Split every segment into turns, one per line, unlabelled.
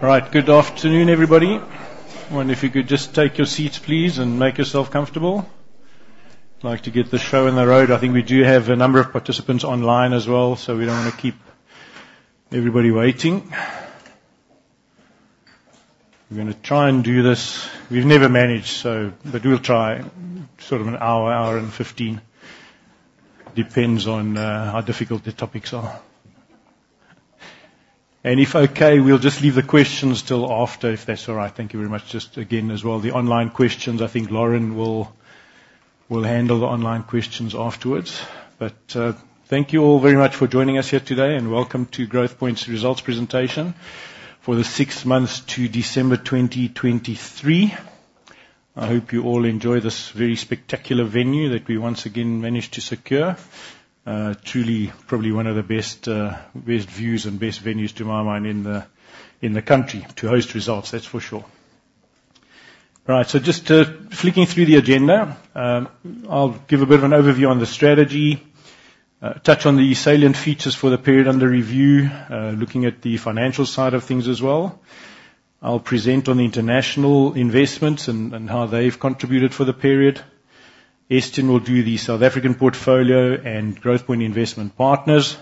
All right. Good afternoon, everybody. If you could just take your seats, please, and make yourself comfortable. I'd like to get this show on the road. I think we do have a number of participants online as well, so we don't want to keep everybody waiting. We're gonna try and do this. We've never managed, so, but we'll try sort of an hour, hour and fifteen. Depends on, how difficult the topics are. If okay, we'll just leave the questions till after, if that's all right. Thank you very much. Just again, as well, the online questions, I think Lauren will handle the online questions afterwards. But, thank you all very much for joining us here today, and welcome to Growthpoint's results presentation for the six months to December 2023. I hope you all enjoy this very spectacular venue that we once again managed to secure. Truly, probably one of the best, best views and best venues, to my mind, in the, in the country to host results. That's for sure. Right, so just flicking through the agenda, I'll give a bit of an overview on the strategy, touch on the salient features for the period under review, looking at the financial side of things as well. I'll present on the international investments and how they've contributed for the period. Estienne will do the South African portfolio and Growthpoint Investment Partners.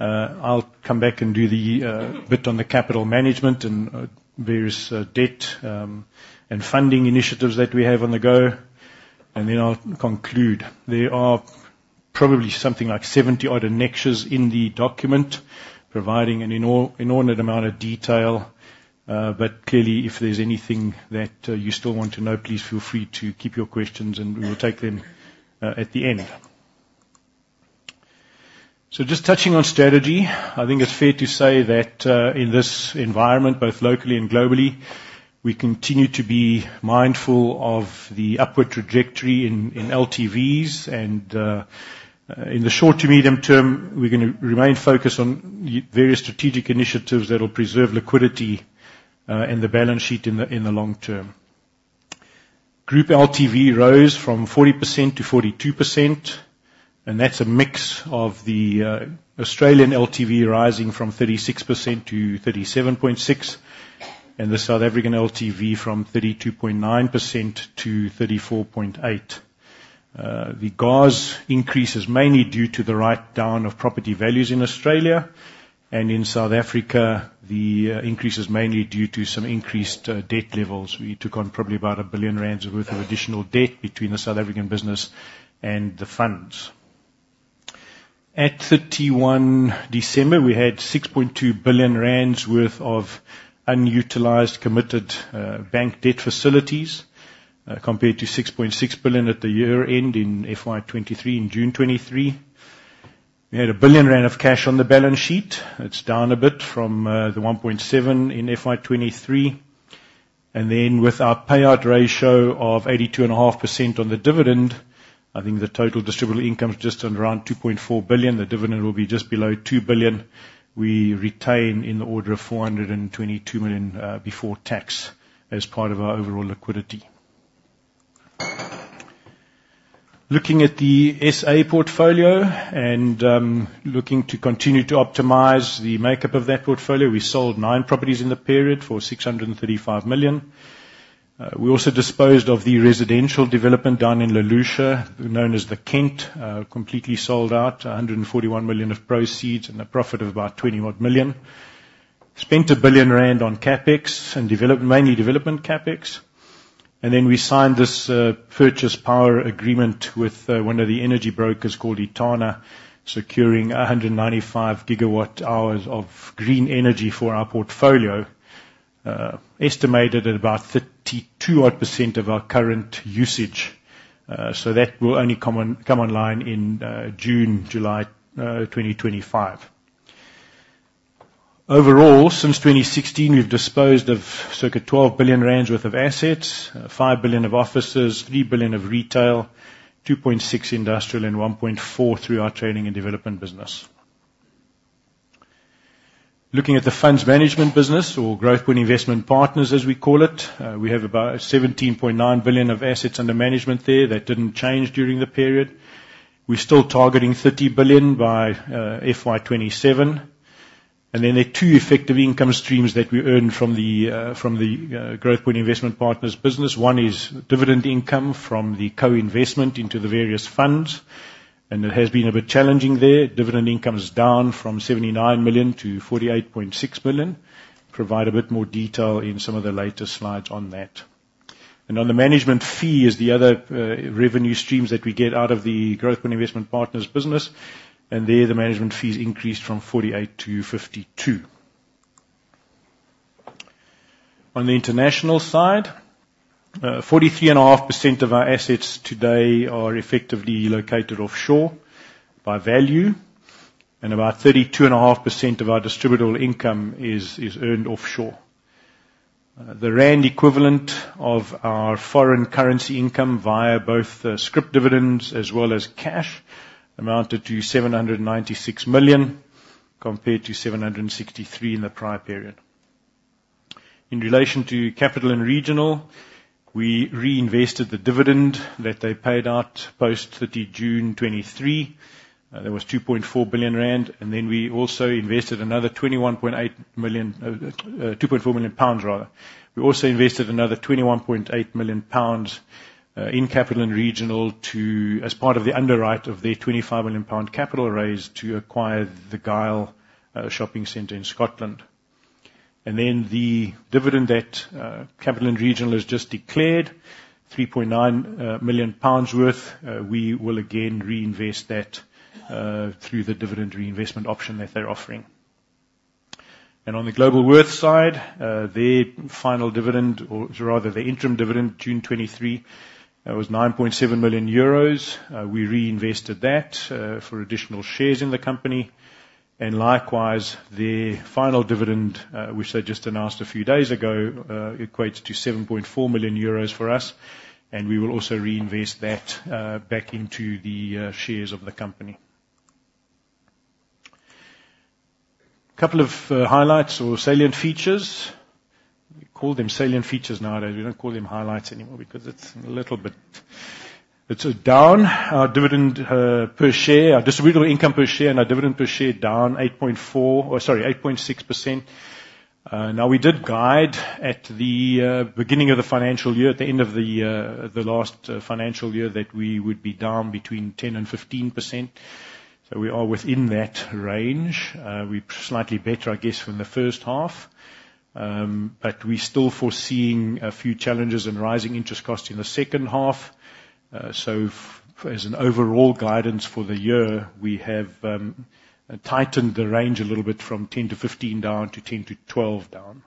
I'll come back and do the bit on the capital management and various debt and funding initiatives that we have on the go, and then I'll conclude. There are probably something like 70-odd annexures in the document, providing an inordinate amount of detail, but clearly, if there's anything that you still want to know, please feel free to keep your questions, and we will take them at the end. So just touching on strategy, I think it's fair to say that in this environment, both locally and globally, we continue to be mindful of the upward trajectory in LTVs and in the short to medium term, we're gonna remain focused on various strategic initiatives that will preserve liquidity and the balance sheet in the long term. Group LTV rose from 40% to 42%, and that's a mix of the Australian LTV rising from 36% to 37.6, and the South African LTV from 32.9% to 34.8. The GAARs increase is mainly due to the write down of property values in Australia, and in South Africa, the increase is mainly due to some increased debt levels. We took on probably about 1 billion rand worth of additional debt between the South African business and the funds. At 31 December, we had 6.2 billion rand worth of unutilized, committed bank debt facilities, compared to 6.6 billion at the year end in FY 2023, in June 2023. We had 1 billion rand of cash on the balance sheet. It's down a bit from the 1.7 in FY 2023. And then, with our payout ratio of 82.5% on the dividend, I think the total distributable income is just around 2.4 billion. The dividend will be just below 2 billion. We retain in the order of 422 million before tax, as part of our overall liquidity. Looking at the SA portfolio and looking to continue to optimize the makeup of that portfolio, we sold 9 properties in the period for 635 million. We also disposed of the residential development down in La Lucia, known as The Kent. Completely sold out. 141 million of proceeds and a profit of about 20 million. Spent 1 billion rand on CapEx and development CapEx, mainly development CapEx. Then we signed this power purchase agreement with one of the energy brokers called Etana, securing 195 gigawatt hours of green energy for our portfolio, estimated at about 32% of our current usage. So that will only come online in June, July, twenty twenty-five. Overall, since 2016, we've disposed of circa 12 billion rand worth of assets, 5 billion of offices, 3 billion of retail, 2.6 industrial, and 1.4 through our training and development business. Looking at the funds management business, or Growthpoint Investment Partners, as we call it, we have about 17.9 billion of assets under management there. That didn't change during the period. We're still targeting 30 billion by FY 2027. Then there are two effective income streams that we earn from the Growthpoint Investment Partners business. One is dividend income from the co-investment into the various funds, and it has been a bit challenging there. Dividend income is down from 79 million to 48.6 million. Provide a bit more detail in some of the later slides on that. On the management fee is the other revenue streams that we get out of the Growthpoint Investment Partners business. And there, the management fees increased from 48 million to 52 million. On the international side, 43.5% of our assets today are effectively located offshore by value, and about 32.5% of our distributable income is earned offshore. The rand equivalent of our foreign currency income, via both the scrip dividends as well as cash, amounted to 796 million, compared to 763 million in the prior period. In relation to Capital & Regional, we reinvested the dividend that they paid out post 30 June 2023. That was 2.4 billion rand, and then we also invested another 21.8 million, two point four million pounds, rather. We also invested another 21.8 million pounds in Capital & Regional to, as part of the underwrite of their 25 million pound capital raise to acquire the Gyle Shopping Centre in Scotland. And then the dividend that Capital & Regional has just declared, 3.9 million pounds worth, we will again reinvest that through the dividend reinvestment option that they're offering. On the Globalworth side, their final dividend, or rather, the interim dividend, June 2023, was 9.7 million euros. We reinvested that for additional shares in the company, and likewise, the final dividend, which they just announced a few days ago, equates to 7.4 million euros for us, and we will also reinvest that back into the shares of the company. Couple of highlights or salient features. We call them salient features nowadays. We don't call them highlights anymore because it's a little bit... It's down, our dividend per share, our distributable income per share, and our dividend per share, down 8.4, or sorry, 8.6%. Now, we did guide at the beginning of the financial year, at the end of the last financial year, that we would be down between 10%-15%. So we are within that range. We're slightly better, I guess, from the first half. But we're still foreseeing a few challenges and rising interest costs in the second half. So as an overall guidance for the year, we have tightened the range a little bit from 10%-15% down to 10%-12% down.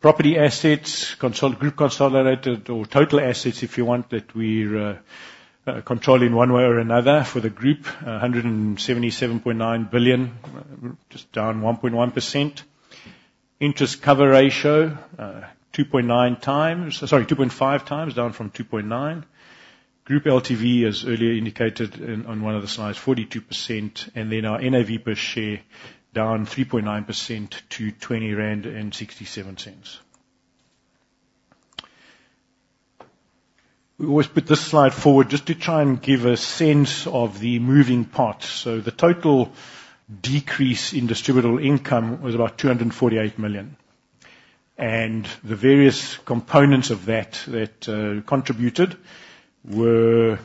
Property assets, group consolidated or total assets, if you want, that we're controlling one way or another for the group, 177.9 billion, just down 1.1%. Interest Cover Ratio, 2.9x... Sorry, 2.5x, down from 2.9x. Group LTV, as earlier indicated on, on one of the slides, 42%, and then our NAV per share, down 3.9% to ZAR 20.67. We always put this slide forward just to try and give a sense of the moving parts. So the total decrease in distributable income was about 248 million, and the various components of that contributed, were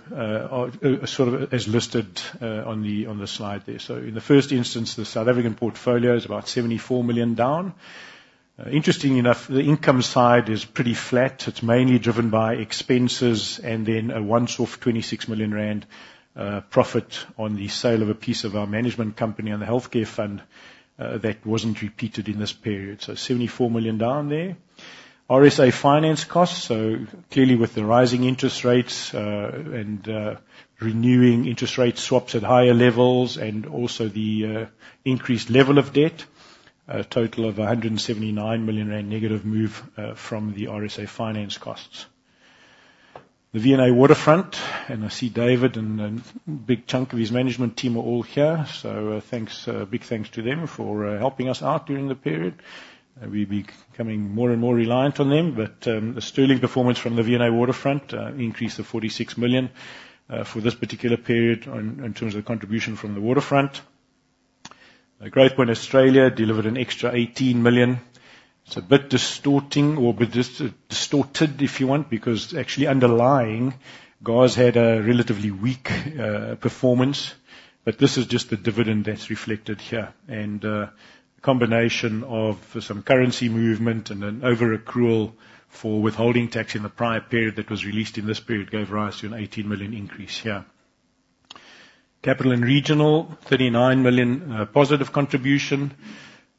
sort of, as listed, on the slide there. So in the first instance, the South African portfolio is about 74 million down. Interestingly enough, the income side is pretty flat. It's mainly driven by expenses and then a once-off 26 million rand, profit on the sale of a piece of our management company and the healthcare fund, that wasn't repeated in this period. So 74 million down there. RSA finance costs, so clearly with the rising interest rates, and renewing interest rate swaps at higher levels, and also the increased level of debt, a total of 179 million rand negative move from the RSA finance costs. The V&A Waterfront, and I see David and a big chunk of his management team are all here, so, thanks, big thanks to them for helping us out during the period. We'll be becoming more and more reliant on them, but a sterling performance from the V&A Waterfront, increase of 46 million for this particular period in terms of contribution from the waterfront. Growthpoint Australia delivered an extra 18 million. It's a bit distorting or bit distorted, if you want, because actually underlying, GOZ's had a relatively weak performance, but this is just the dividend that's reflected here. And combination of some currency movement and an overaccrual for withholding tax in the prior period that was released in this period, gave rise to a 18 million increase here. Capital & Regional, 39 million, positive contribution.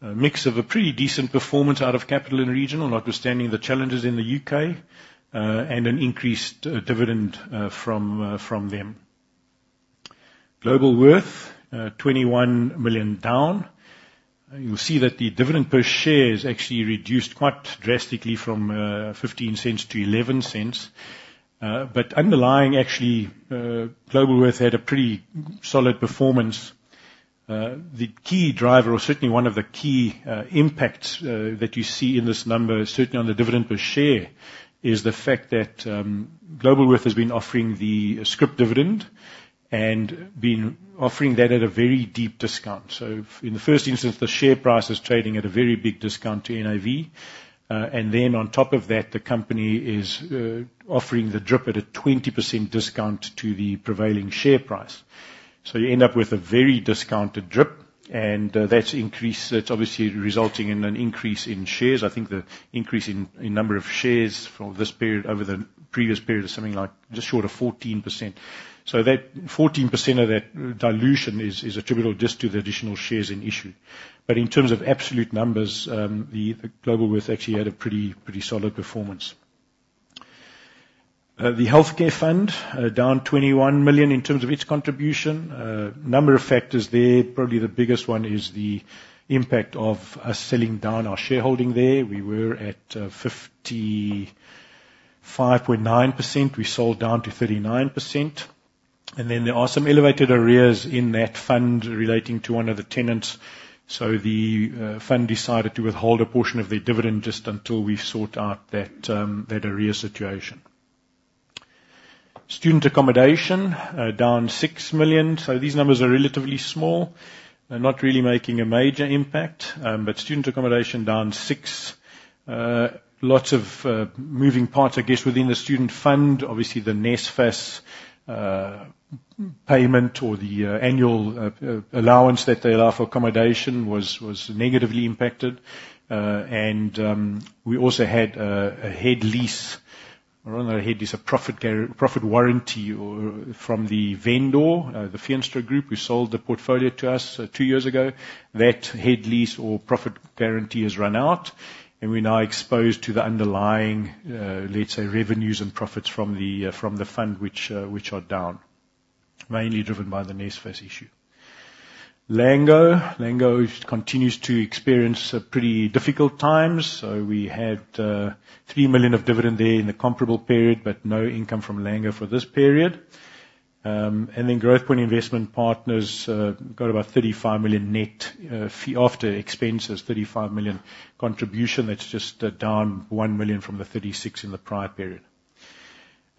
A mix of a pretty decent performance out of Capital & Regional, notwithstanding the challenges in the UK, and an increased dividend from them. Globalworth, 21 million down. You'll see that the dividend per share is actually reduced quite drastically from 15 cents to 11 cents. But underlying, actually, Globalworth had a pretty solid performance. The key driver, or certainly one of the key impacts that you see in this number, certainly on the dividend per share, is the fact that Globalworth has been offering the scrip dividend and been offering that at a very deep discount. So in the first instance, the share price is trading at a very big discount to NAV, and then on top of that, the company is offering the DRIP at a 20% discount to the prevailing share price. So you end up with a very discounted DRIP, and that's increased... It's obviously resulting in an increase in shares. I think the increase in number of shares for this period over the previous period is something like just short of 14%. So that 14% of that dilution is attributable just to the additional shares in issue. But in terms of absolute numbers, the Globalworth actually had a pretty solid performance. The healthcare fund down 21 million in terms of its contribution. Number of factors there, probably the biggest one is the impact of us selling down our shareholding there. We were at 55.9%. We sold down to 39%.... And then there are some elevated arrears in that fund relating to one of the tenants, so the fund decided to withhold a portion of their dividend just until we sort out that arrear situation. Student accommodation down 6 million, so these numbers are relatively small. They're not really making a major impact, but student accommodation down 6. Lots of moving parts, I guess, within the student fund. Obviously, the NSFAS payment or the annual allowance that they allow for accommodation was negatively impacted. And we also had a head lease, or not a head lease, a profit warranty or from the vendor, the Feenstra Group, who sold the portfolio to us two years ago. That head lease or profit guarantee has run out, and we're now exposed to the underlying, let's say, revenues and profits from the fund, which are down, mainly driven by the NSFAS issue. Lango. Lango continues to experience pretty difficult times, so we had 3 million of dividend there in the comparable period, but no income from Lango for this period. And then Growthpoint Investment Partners got about 35 million net fee. After expenses, 35 million contribution, that's just down 1 million from the 36 in the prior period.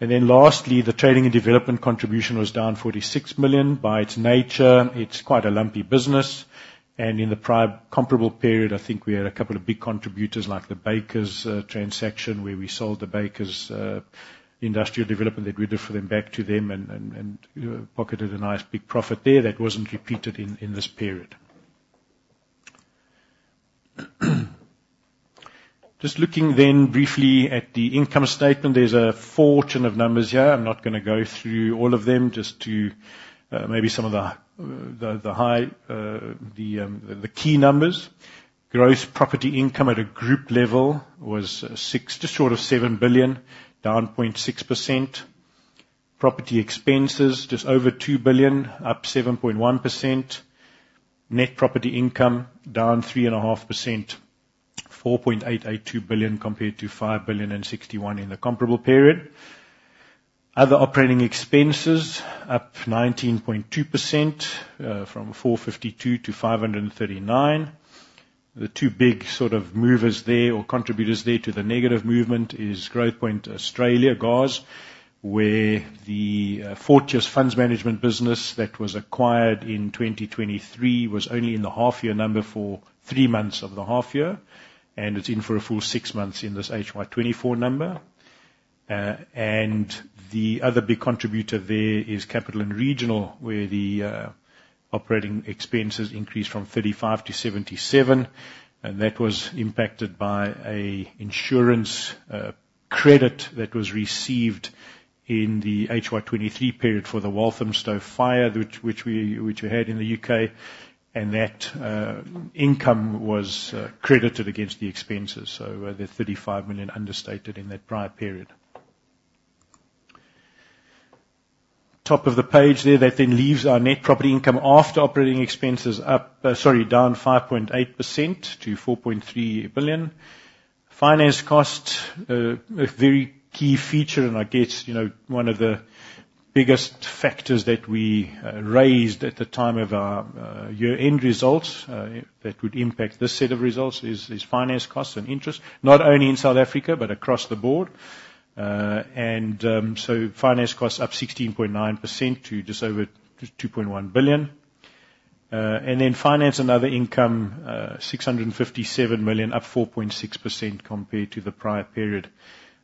Then lastly, the trading and development contribution was down 46 million. By its nature, it's quite a lumpy business, and in the prior comparable period, I think we had a couple of big contributors, like the Bakers transaction, where we sold the Bakers industrial development that we did for them, back to them, and pocketed a nice big profit there. That wasn't repeated in this period. Just looking then briefly at the income statement, there's a fortune of numbers here. I'm not gonna go through all of them, just to maybe some of the key numbers. Gross property income at a group level was six short of seven billion, down 0.6%. Property expenses, just over 2 billion, up 7.1%. Net property income, down 3.5%, 4.882 billion, compared to 5.061 billion in the comparable period. Other operating expenses, up 19.2%, from 452 million to 539 million. The two big sort of movers there or contributors there to the negative movement is Growthpoint Australia, GOZ, where the, Fortius Funds Management business that was acquired in 2023 was only in the half year number for 3 months of the half year, and it's in for a full 6 months in this HY-2024 number. And the other big contributor there is Capital & Regional, where the operating expenses increased from 35 to 77, and that was impacted by an insurance credit that was received in the HY 2023 period for the Walthamstow fire, which we had in the UK, and that income was credited against the expenses. So the 35 million understated in that prior period. Top of the page there, that then leaves our net property income after operating expenses up... Sorry, down 5.8% to 4.3 billion. Finance costs, a very key feature, and I guess, you know, one of the biggest factors that we raised at the time of our year-end results that would impact this set of results is finance costs and interest, not only in South Africa, but across the board. Finance costs up 16.9% to just over 2.1 billion. Then finance and other income, 657 million, up 4.6% compared to the prior period.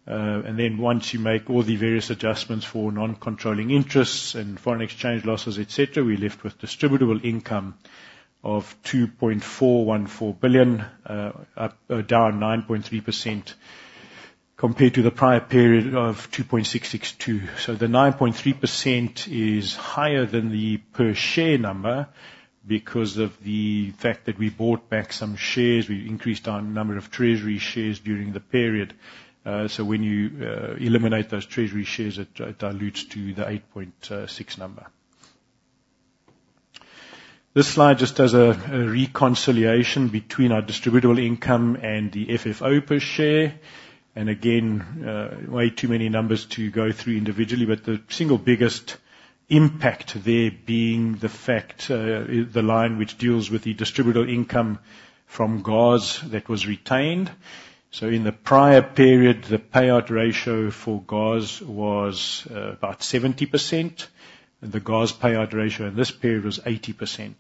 Then once you make all the various adjustments for non-controlling interests and foreign exchange losses, etc., we're left with distributable income of 2.414 billion, down 9.3% compared to the prior period of 2.662 billion. So the 9.3% is higher than the per share number because of the fact that we bought back some shares. We increased our number of treasury shares during the period. So when you eliminate those treasury shares, it dilutes to the 8.6 number. This slide just does a reconciliation between our distributable income and the FFO per share. Again, way too many numbers to go through individually, but the single biggest impact there being the fact, the line which deals with the distributable income from GOZ that was retained. So in the prior period, the payout ratio for GOZ was about 70%, and the GOZ payout ratio in this period was 80%.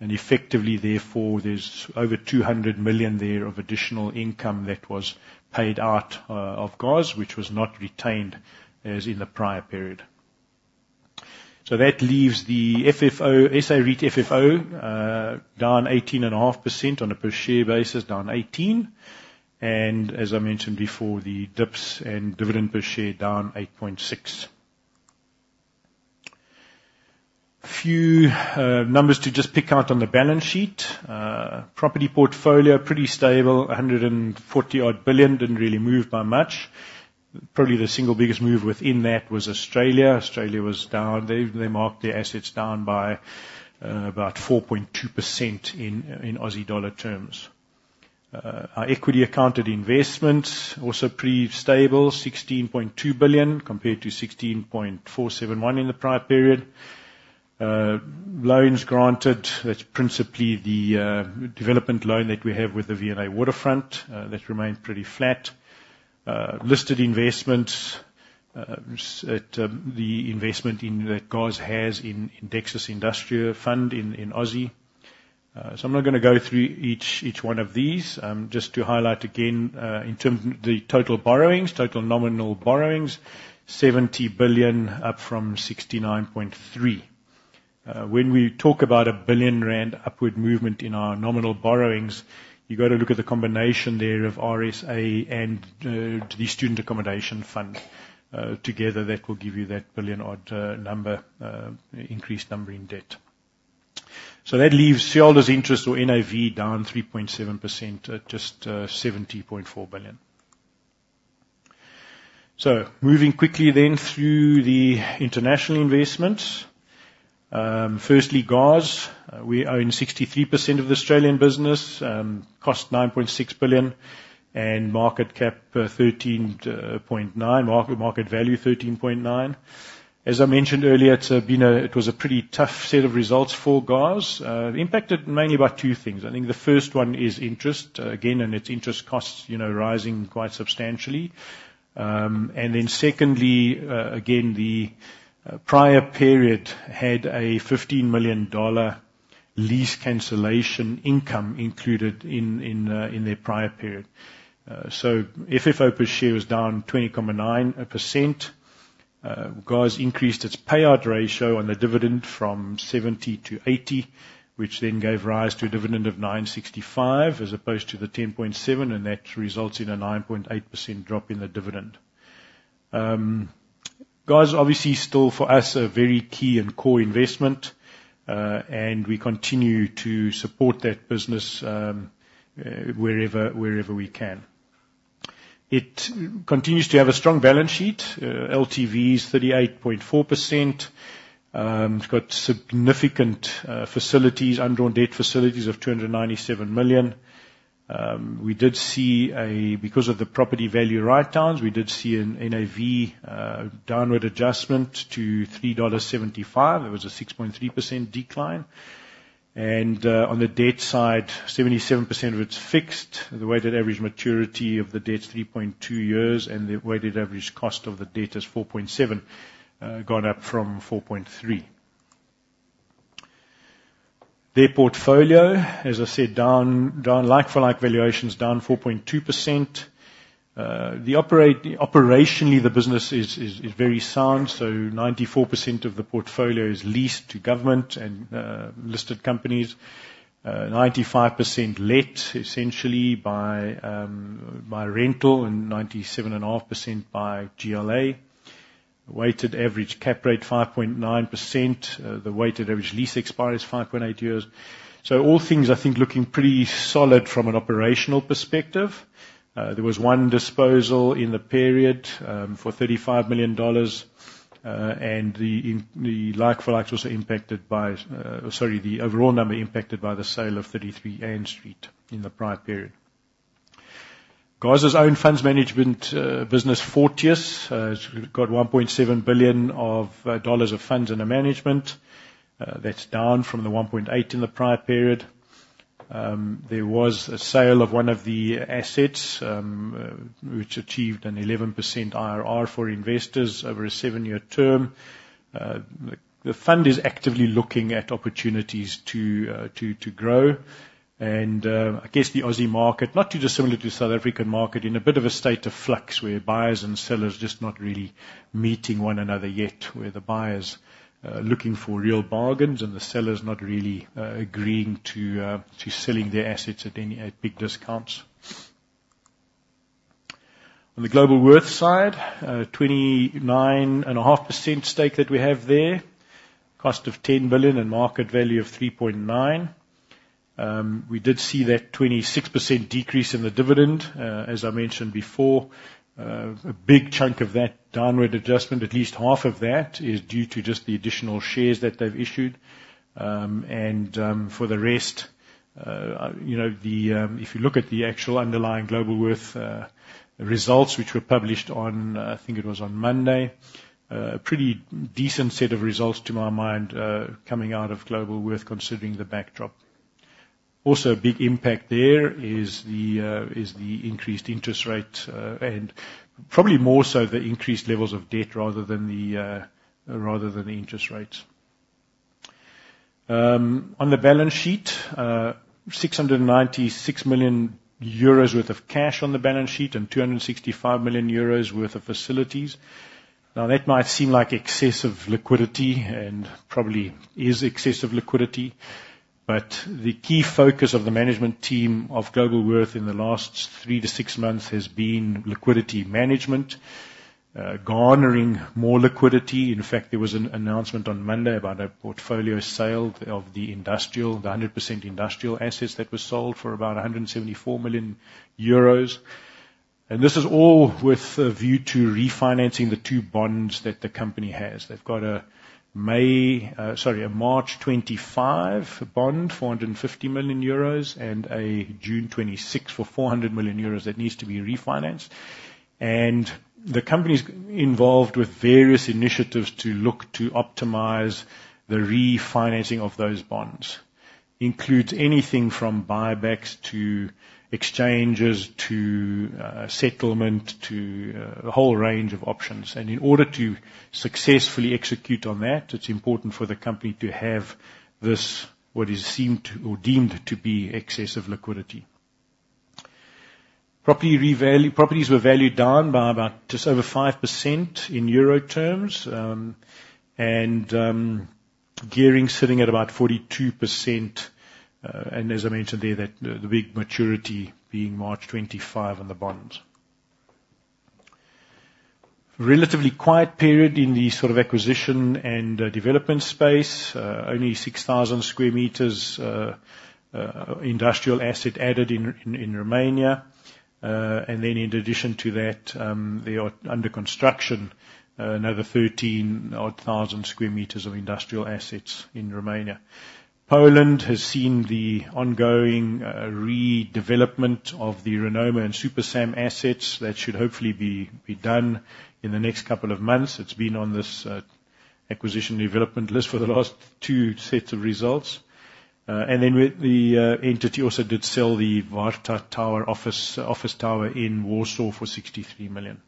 And effectively, therefore, there's over 200 million there of additional income that was paid out of GOZ, which was not retained as in the prior period. So that leaves the FFO, SA REIT FFO, down 18.5%. On a per share basis, down 18, and as I mentioned before, the DIPS and dividend per share, down 8.6. A few numbers to just pick out on the balance sheet. Property portfolio, pretty stable, 140-odd billion, didn't really move by much. Probably, the single biggest move within that was Australia. Australia was down. They marked their assets down by about 4.2% in Aussie dollar terms. Our equity accounted investments, also pretty stable, 16.2 billion compared to 16.471 billion in the prior period. Loans granted, that's principally the development loan that we have with the V&A Waterfront, that remained pretty flat. Listed investments, at the investment in that GOZ has in Dexus Industrial Fund in Aussie. So I'm not gonna go through each one of these. Just to highlight again, in terms of the total borrowings, total nominal borrowings, 70 billion, up from 69.3 billion. When we talk about a 1 billion rand upward movement in our nominal borrowings, you've got to look at the combination there of RSA and the student accommodation fund. Together, that will give you that billion odd number, increased number in debt. So that leaves shareholders' interest or NAV down 3.7% at just 70.4 billion. So moving quickly then through the international investments. Firstly, GOZ. We own 63% of the Australian business, cost 9.6 billion and market cap, 13.9. Market, market value, 13.9 billion. As I mentioned earlier, it's been a... It was a pretty tough set of results for GOZ, impacted mainly by two things. I think the first one is interest, again, and its interest costs, you know, rising quite substantially. And then secondly, again, the prior period had a 15 million dollar lease cancellation income included in their prior period. So FFO per share was down 29%. GOZ increased its payout ratio on the dividend from 70 to 80, which then gave rise to a dividend of 9.65, as opposed to the 10.7, and that results in a 9.8% drop in the dividend. GOZ, obviously, still, for us, a very key and core investment, and we continue to support that business, wherever we can. It continues to have a strong balance sheet. LTV is 38.4%. It's got significant facilities, undrawn debt facilities of 297 million. Because of the property value write-downs, we did see an NAV downward adjustment to 3.75 dollars. It was a 6.3% decline. On the debt side, 77% of it's fixed. The weighted average maturity of the debt is 3.2 years, and the weighted average cost of the debt is 4.7, gone up from 4.3. Their portfolio, as I said, down, like for like valuations, down 4.2%. Operationally, the business is very sound, so 94% of the portfolio is leased to government and listed companies. Ninety-five percent let essentially by rental and 97.5% by GLA. Weighted average cap rate, 5.9%. The weighted average lease expiry is 5.8 years. So all things, I think, looking pretty solid from an operational perspective. There was one disposal in the period, for 35 million dollars. And the in- the like for likes was also impacted by... Sorry, the overall number impacted by the sale of 333 Ann Street in the prior period. GOZ's own funds management, business, Fortius, it's got 1.7 billion dollars of funds under management. That's down from the 1.8 in the prior period. There was a sale of one of the assets, which achieved an 11% IRR for investors over a 7-year term. The fund is actively looking at opportunities to grow. And, I guess the Aussie market, not too dissimilar to the South African market, in a bit of a state of flux, where buyers and sellers just not really meeting one another yet, where the buyers are looking for real bargains and the sellers not really agreeing to selling their assets at any big discounts. On the Globalworth side, 29.5% stake that we have there, cost of 10 billion and market value of 3.9 billion. We did see that 26% decrease in the dividend. As I mentioned before, a big chunk of that downward adjustment, at least half of that, is due to just the additional shares that they've issued. And, for the rest, you know, the... If you look at the actual underlying Globalworth results, which were published on, I think it was on Monday, pretty decent set of results, to my mind, coming out of Globalworth, considering the backdrop. Also, a big impact there is the increased interest rate, and probably more so the increased levels of debt, rather than the interest rates. On the balance sheet, 696 million euros worth of cash on the balance sheet and 265 million euros worth of facilities. Now, that might seem like excessive liquidity and probably is excessive liquidity, but the key focus of the management team of Globalworth in the last 3-6 months has been liquidity management, garnering more liquidity. In fact, there was an announcement on Monday about a portfolio sale of the industrial, the 100% industrial assets that were sold for about 174 million euros. And this is all with a view to refinancing the two bonds that the company has. They've got a March 2025 bond, 450 million euros, and a June 2026 for 400 million euros that needs to be refinanced. And the company's involved with various initiatives to look to optimize the refinancing of those bonds. Includes anything from buybacks, to exchanges, to settlement, to a whole range of options. And in order to successfully execute on that, it's important for the company to have this, what is seemed to or deemed to be excessive liquidity. Property revalue- properties were valued down by about just over 5% in euro terms, and gearing sitting at about 42%. And as I mentioned there, that the big maturity being March 2025 on the bonds. Relatively quiet period in the sort of acquisition and development space. Only 6,000 square meters industrial asset added in Romania. And then in addition to that, they are under construction, another 13,000-odd square meters of industrial assets in Romania. Poland has seen the ongoing redevelopment of the Renoma and Supersam assets. That should hopefully be done in the next couple of months. It's been on this acquisition development list for the last two sets of results. And then with the entity also did sell the Warta Tower office, office tower in Warsaw for 63 million.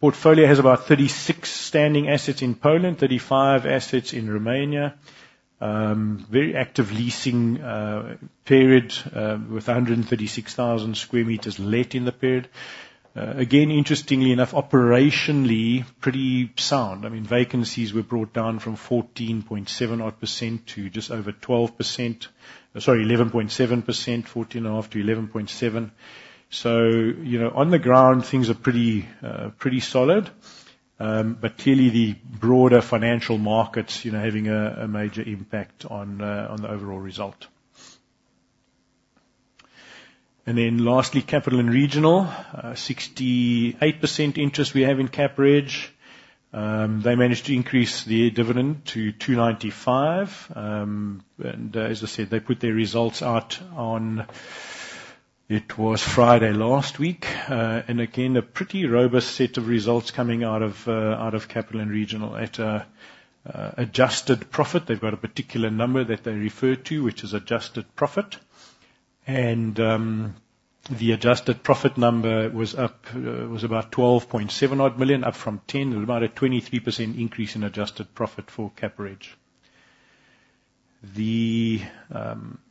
Portfolio has about 36 standing assets in Poland, 35 assets in Romania. Very active leasing period with 136,000 square meters let in the period. Again, interestingly enough, operationally pretty sound. I mean, vacancies were brought down from 14.7-odd% to just over 12%. Sorry, 11.7%, 14.5%-11.7%. So, you know, on the ground, things are pretty, pretty solid. But clearly the broader financial markets, you know, having a major impact on the overall result. And then lastly, Capital & Regional. Sixty-eight percent interest we have in CapReg. They managed to increase their dividend to 2.95. As I said, they put their results out on... It was Friday last week. And again, a pretty robust set of results coming out of Capital & Regional at a adjusted profit. They've got a particular number that they refer to, which is adjusted profit. The adjusted profit number was up, was about 12.7 million, up from 10 million, about a 23% increase in adjusted profit for CapReg.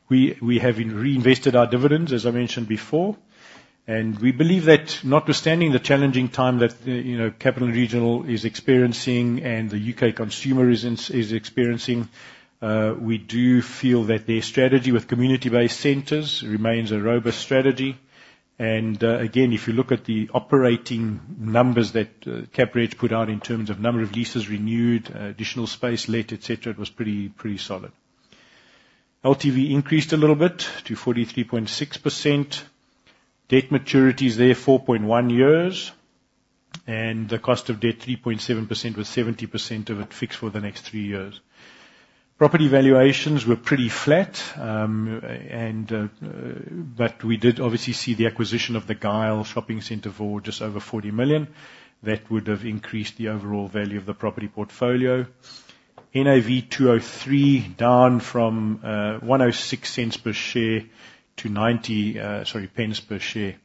We have reinvested our dividends, as I mentioned before, and we believe that notwithstanding the challenging time that, you know, Capital & Regional is experiencing and the UK consumer is experiencing, we do feel that their strategy with community-based centers remains a robust strategy. Again, if you look at the operating numbers that CapReg put out in terms of number of leases renewed, additional space let, et cetera, it was pretty, pretty solid. LTV increased a little bit to 43.6%. Debt maturity is there 4.1 years, and the cost of debt, 3.7%, with 70% of it fixed for the next 3 years. Property valuations were pretty flat, and but we did obviously see the acquisition of the Gyle Shopping Centre for just over 40 million. That would have increased the overall value of the property portfolio. NAV 203, down from 106 cents per share to 90, sorry, pence per share.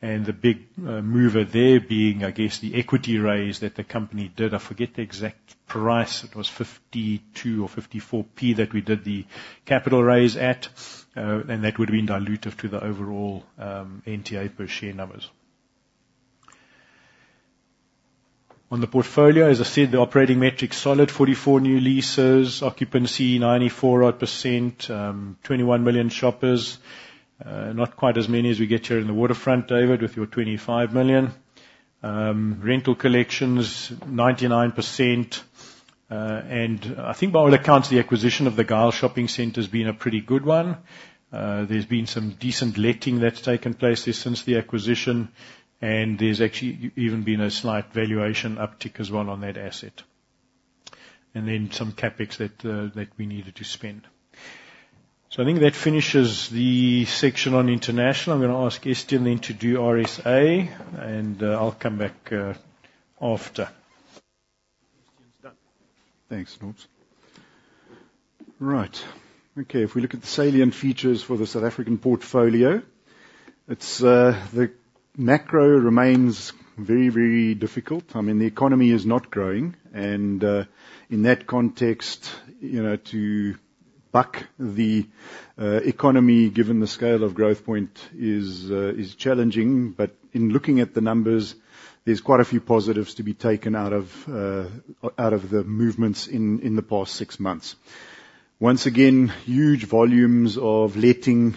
And the big mover there being, I guess, the equity raise that the company did. I forget the exact price. It was 52 or 54p that we did the capital raise at, and that would have been dilutive to the overall, NTA per share numbers. On the portfolio, as I said, the operating metrics, solid 44 new leases, occupancy 94-odd%, 21 million shoppers. Not quite as many as we get here in the Waterfront, David, with your 25 million. Rental collections, 99%. And I think by all accounts, the acquisition of the Gyle Shopping Centre has been a pretty good one. There's been some decent letting that's taken place there since the acquisition, and there's actually even been a slight valuation uptick as well on that asset. And then some CapEx that we needed to spend. So I think that finishes the section on international. I'm gonna ask Estienne de Klerk then to do RSA, and I'll come back after.
Christian's done.
Thanks, Norbert. Right. Okay, if we look at the salient features for the South African portfolio, it's the macro remains very, very difficult. I mean, the economy is not growing, and in that context, you know, to buck the economy, given the scale of Growthpoint, is challenging. But in looking at the numbers, there's quite a few positives to be taken out of the movements in the past six months.... Once again, huge volumes of letting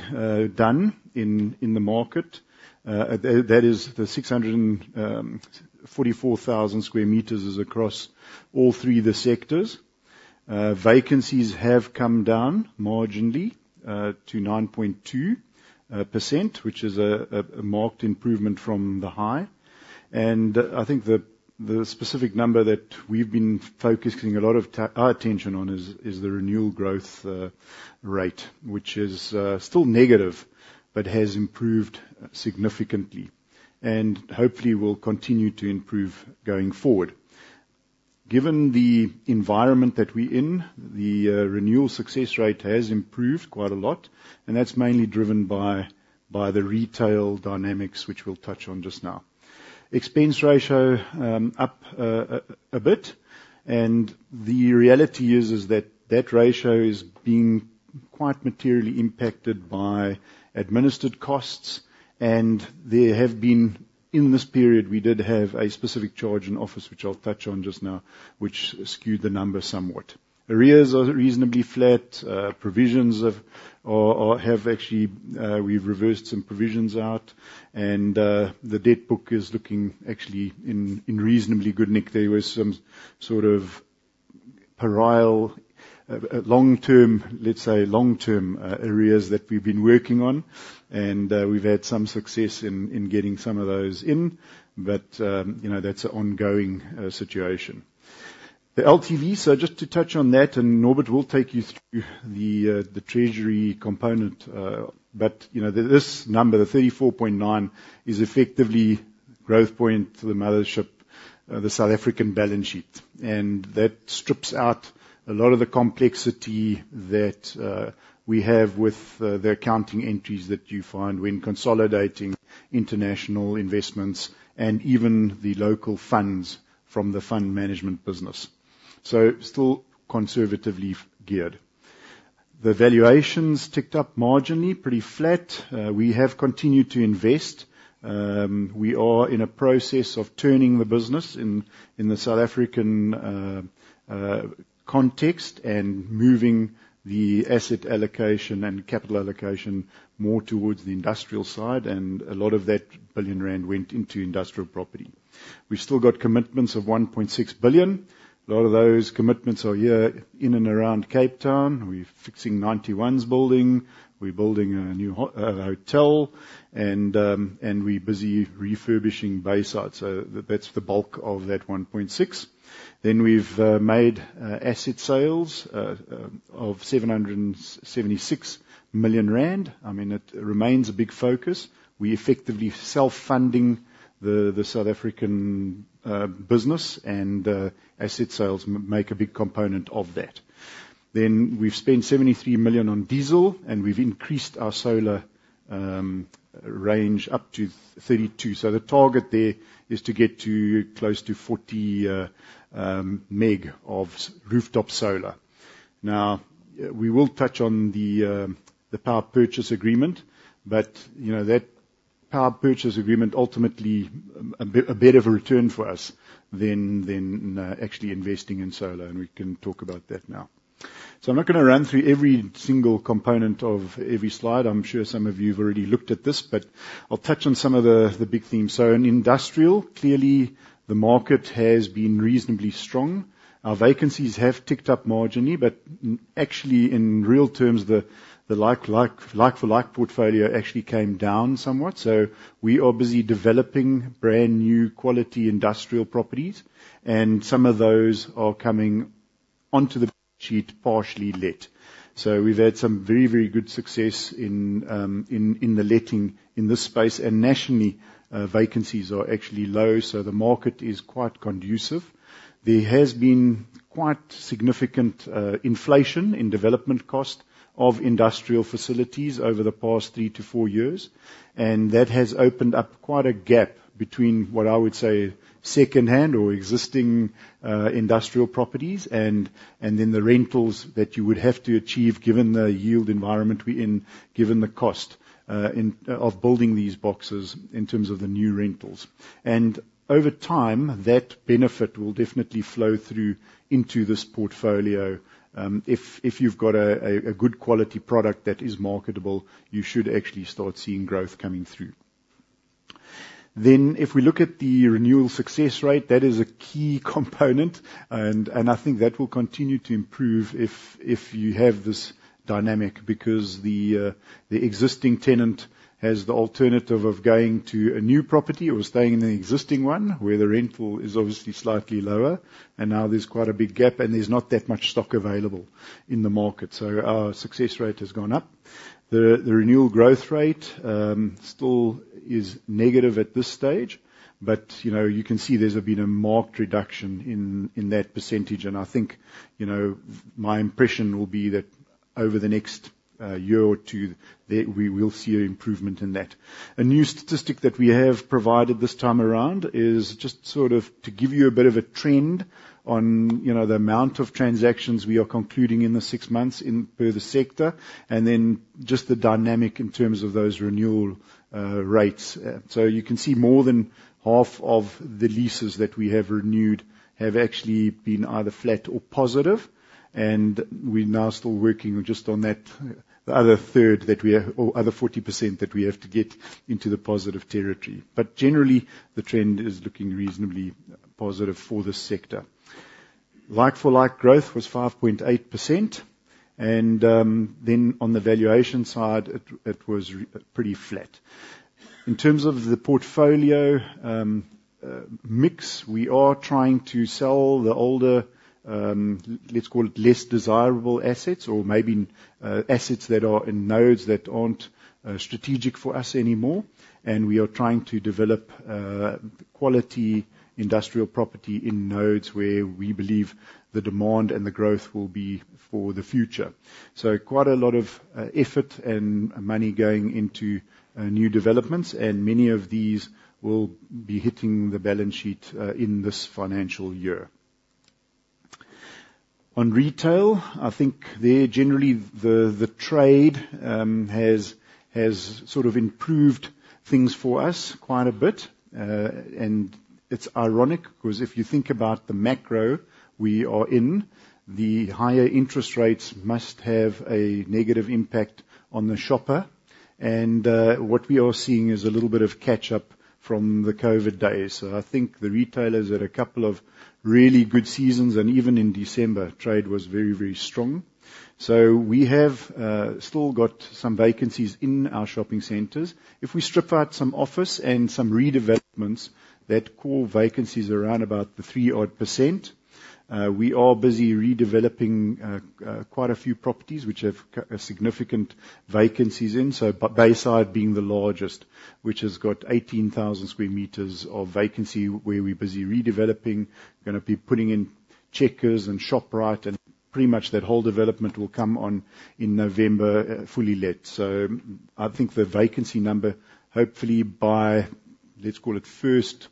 done in the market. That is, the 644,000 square meters is across all three of the sectors. Vacancies have come down marginally to 9.2%, which is a marked improvement from the high. And I think the specific number that we've been focusing a lot of our attention on is the renewal growth rate, which is still negative, but has improved significantly, and hopefully will continue to improve going forward. Given the environment that we're in, the renewal success rate has improved quite a lot, and that's mainly driven by the retail dynamics, which we'll touch on just now. Expense ratio up a bit, and the reality is that that ratio is being quite materially impacted by administered costs, and there have been... In this period, we did have a specific charge in office, which I'll touch on just now, which skewed the numbers somewhat. Arrears are reasonably flat. Provisions have actually we've reversed some provisions out, and the debt book is looking actually in reasonably good nick. There was some sort of peril long term, let's say, long-term arrears that we've been working on, and we've had some success in getting some of those in. But you know, that's an ongoing situation. The LTV, so just to touch on that, and Norbert will take you through the, the treasury component, but, you know, this number, the 34.9, is effectively Growthpoint to the mothership, the South African balance sheet. And that strips out a lot of the complexity that, we have with, the accounting entries that you find when consolidating international investments and even the local funds from the fund management business. So still conservatively geared. The valuations ticked up marginally, pretty flat. We have continued to invest. We are in a process of turning the business in, in the South African, context, and moving the asset allocation and capital allocation more towards the industrial side, and a lot of that 1 billion rand went into industrial property. We've still got commitments of 1.6 billion. A lot of those commitments are here in and around Cape Town. We're fixing Ninety One's building. We're building a new hotel, and we're busy refurbishing Bayside, so that's the bulk of that 1.6 billion. Then we've made asset sales of 776 million rand. I mean, it remains a big focus. We're effectively self-funding the South African business, and asset sales make a big component of that. Then we've spent 73 million on diesel, and we've increased our solar range up to 32 MW. So the target there is to get to close to 40 MW of rooftop solar. Now, we will touch on the power purchase agreement, but, you know, that power purchase agreement ultimately a bit of a return for us than actually investing in solar, and we can talk about that now. So I'm not gonna run through every single component of every slide. I'm sure some of you have already looked at this, but I'll touch on some of the big themes. So in industrial, clearly the market has been reasonably strong. Our vacancies have ticked up marginally, but actually, in real terms, the like-for-like portfolio actually came down somewhat. So we are busy developing brand-new quality industrial properties, and some of those are coming onto the sheet partially let. So we've had some very, very good success in the letting in this space. Nationally, vacancies are actually low, so the market is quite conducive. There has been quite significant inflation in development cost of industrial facilities over the past three to four years, and that has opened up quite a gap between, what I would say, second-hand or existing industrial properties, and then the rentals that you would have to achieve, given the yield environment we're in, given the cost in of building these boxes in terms of the new rentals. And over time, that benefit will definitely flow through into this portfolio. If you've got a good quality product that is marketable, you should actually start seeing growth coming through. Then if we look at the renewal success rate, that is a key component, and, and I think that will continue to improve if, if you have this dynamic, because the, the existing tenant has the alternative of going to a new property or staying in the existing one, where the rental is obviously slightly lower. And now there's quite a big gap, and there's not that much stock available in the market, so our success rate has gone up. The, the renewal growth rate, still is negative at this stage, but, you know, you can see there's been a marked reduction in, in that percentage, and I think, you know, my impression will be that over the next, year or two, there, we will see an improvement in that. A new statistic that we have provided this time around is just sort of to give you a bit of a trend on, you know, the amount of transactions we are concluding in the six months in, per the sector, and then just the dynamic in terms of those renewal rates. So you can see more than half of the leases that we have renewed have actually been either flat or positive, and we're now still working just on that, the other third that we have, or other 40% that we have to get into the positive territory. But generally, the trend is looking reasonably positive for this sector. Like-for-like growth was 5.8%, and then on the valuation side, it was pretty flat. In terms of the portfolio mix, we are trying to sell the older, let's call it, less desirable assets, or maybe, assets that are in nodes that aren't strategic for us anymore, and we are trying to develop quality industrial property in nodes where we believe the demand and the growth will be for the future. So quite a lot of effort and money going into new developments, and many of these will be hitting the balance sheet in this financial year. On retail, I think there, generally, the, the trade has sort of improved things for us quite a bit. And it's ironic, because if you think about the macro we are in, the higher interest rates must have a negative impact on the shopper. And, what we are seeing is a little bit of catch-up from the COVID days. So I think the retailers had a couple of really good seasons, and even in December, trade was very, very strong. So we have, still got some vacancies in our shopping centers. If we strip out some office and some redevelopments, that core vacancy is around about the 3 odd %. We are busy redeveloping, quite a few properties, which have significant vacancies in, so Bayside being the largest, which has got 18,000 sq m of vacancy, where we're busy redeveloping. We're gonna be putting in Checkers and Shoprite, and pretty much that whole development will come on in November, fully let. So I think the vacancy number, hopefully by, let's call it first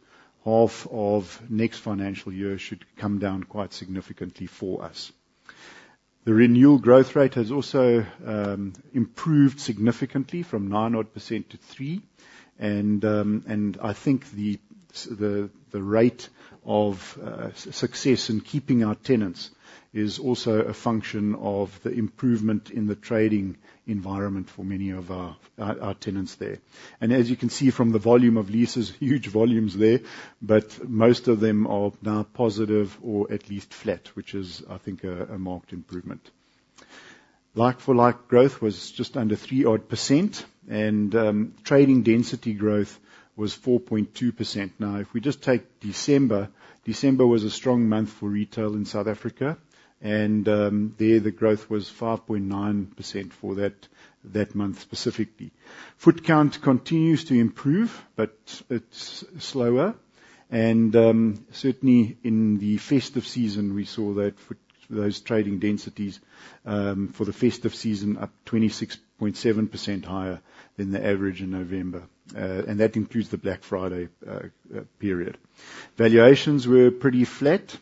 half of next financial year, should come down quite significantly for us. The renewal growth rate has also improved significantly from 9 odd% to 3%. And I think the rate of success in keeping our tenants is also a function of the improvement in the trading environment for many of our tenants there. And as you can see from the volume of leases, huge volumes there, but most of them are now positive or at least flat, which is, I think, a marked improvement. Like-for-like growth was just under 3 odd%, and trading density growth was 4.2%. Now, if we just take December, December was a strong month for retail in South Africa, and there, the growth was 5.9% for that month, specifically. Foot count continues to improve, but it's slower. Certainly in the festive season, we saw those trading densities for the festive season up 26.7% higher than the average in November, and that includes the Black Friday period. Valuations were pretty flat,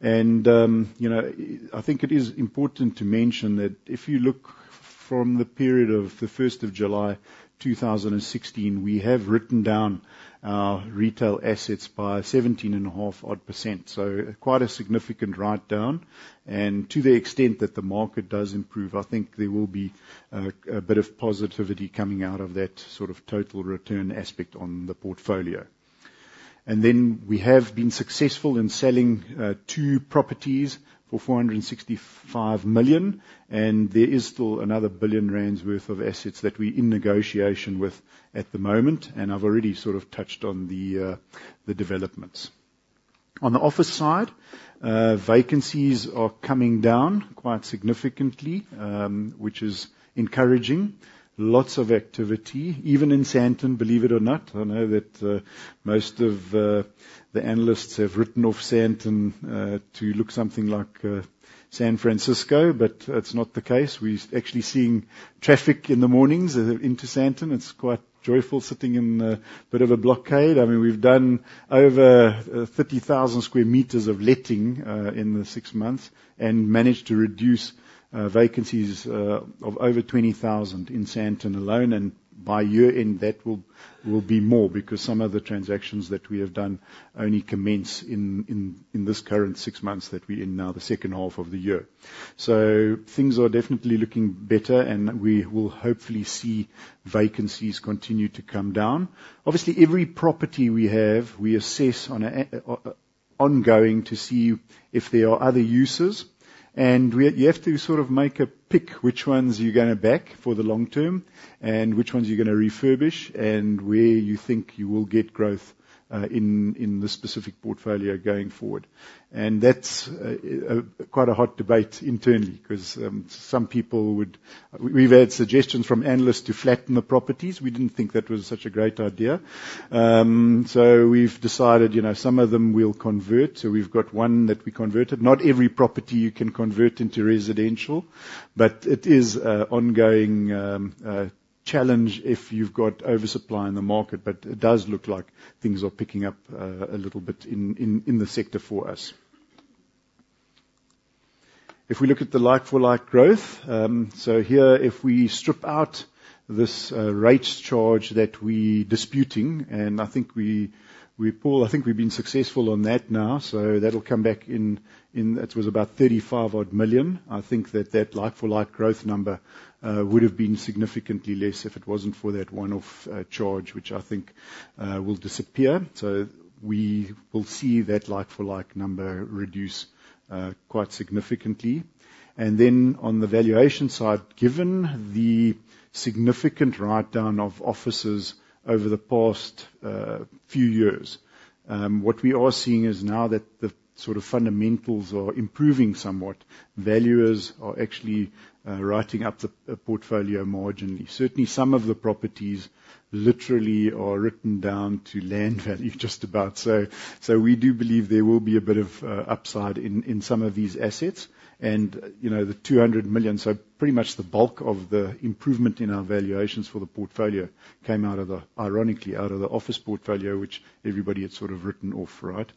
and, you know, I think it is important to mention that if you look from the period of the 1st of July, 2016, we have written down our retail assets by 17.5% odd, so quite a significant write down. To the extent that the market does improve, I think there will be a bit of positivity coming out of that sort of total return aspect on the portfolio. And then, we have been successful in selling two properties for 465 million, and there is still another 1 billion rand worth of assets that we're in negotiation with at the moment, and I've already sort of touched on the developments. On the office side, vacancies are coming down quite significantly, which is encouraging. Lots of activity, even in Sandton, believe it or not. I know that most of the analysts have written off Sandton to look something like San Francisco, but that's not the case. We're actually seeing traffic in the mornings into Sandton. It's quite joyful sitting in a bit of a blockade. I mean, we've done over 30,000 sq m of letting in the six months, and managed to reduce vacancies of over 20,000 in Sandton alone, and by year-end, that will be more, because some of the transactions that we have done only commenced in this current six months that we're in now, the second half of the year. So things are definitely looking better, and we will hopefully see vacancies continue to come down. Obviously, every property we have, we assess on an ongoing basis to see if there are other uses. You have to sort of make a pick, which ones you're gonna back for the long term, and which ones you're gonna refurbish, and where you think you will get growth in the specific portfolio going forward. That's quite a hot debate internally, because some people would... We've had suggestions from analysts to flatten the properties. We didn't think that was such a great idea. So we've decided, you know, some of them we'll convert, so we've got one that we converted. Not every property you can convert into residential, but it is a ongoing challenge if you've got oversupply in the market. But it does look like things are picking up a little bit in the sector for us. If we look at the like-for-like growth, so here, if we strip out this rates charge that we're disputing, and I think we-- Paul, I think we've been successful on that now. So that'll come back in. It was about 35 million. I think that that like-for-like growth number would have been significantly less if it wasn't for that one-off charge, which I think will disappear. So we will see that like-for-like number reduce quite significantly. And then, on the valuation side, given the significant write-down of offices over the past few years, what we are seeing is now that the sort of fundamentals are improving somewhat, valuers are actually writing up the portfolio marginally. Certainly, some of the properties literally are written down to land value, just about. So, so we do believe there will be a bit of upside in, in some of these assets. You know, the 200 million, so pretty much the bulk of the improvement in our valuations for the portfolio came out of the, ironically, out of the office portfolio, which everybody had sort of written off, right?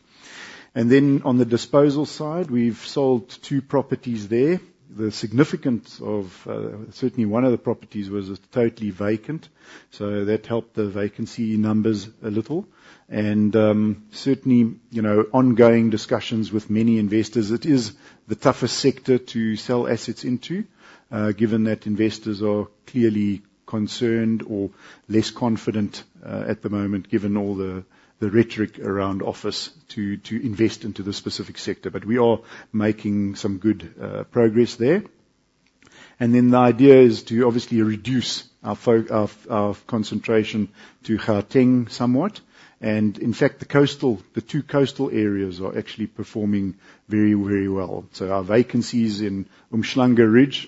Then, on the disposal side, we've sold 2 properties there. The significance of certainly one of the properties was it's totally vacant, so that helped the vacancy numbers a little. Certainly, you know, ongoing discussions with many investors, it is the toughest sector to sell assets into, given that investors are clearly concerned or less confident, at the moment, given all the, the rhetoric around office, to, to invest into the specific sector. But we are making some good progress there. The idea is to obviously reduce our our concentration to Gauteng somewhat, and in fact, the two coastal areas are actually performing very, very well. So our vacancies in Umhlanga Ridge,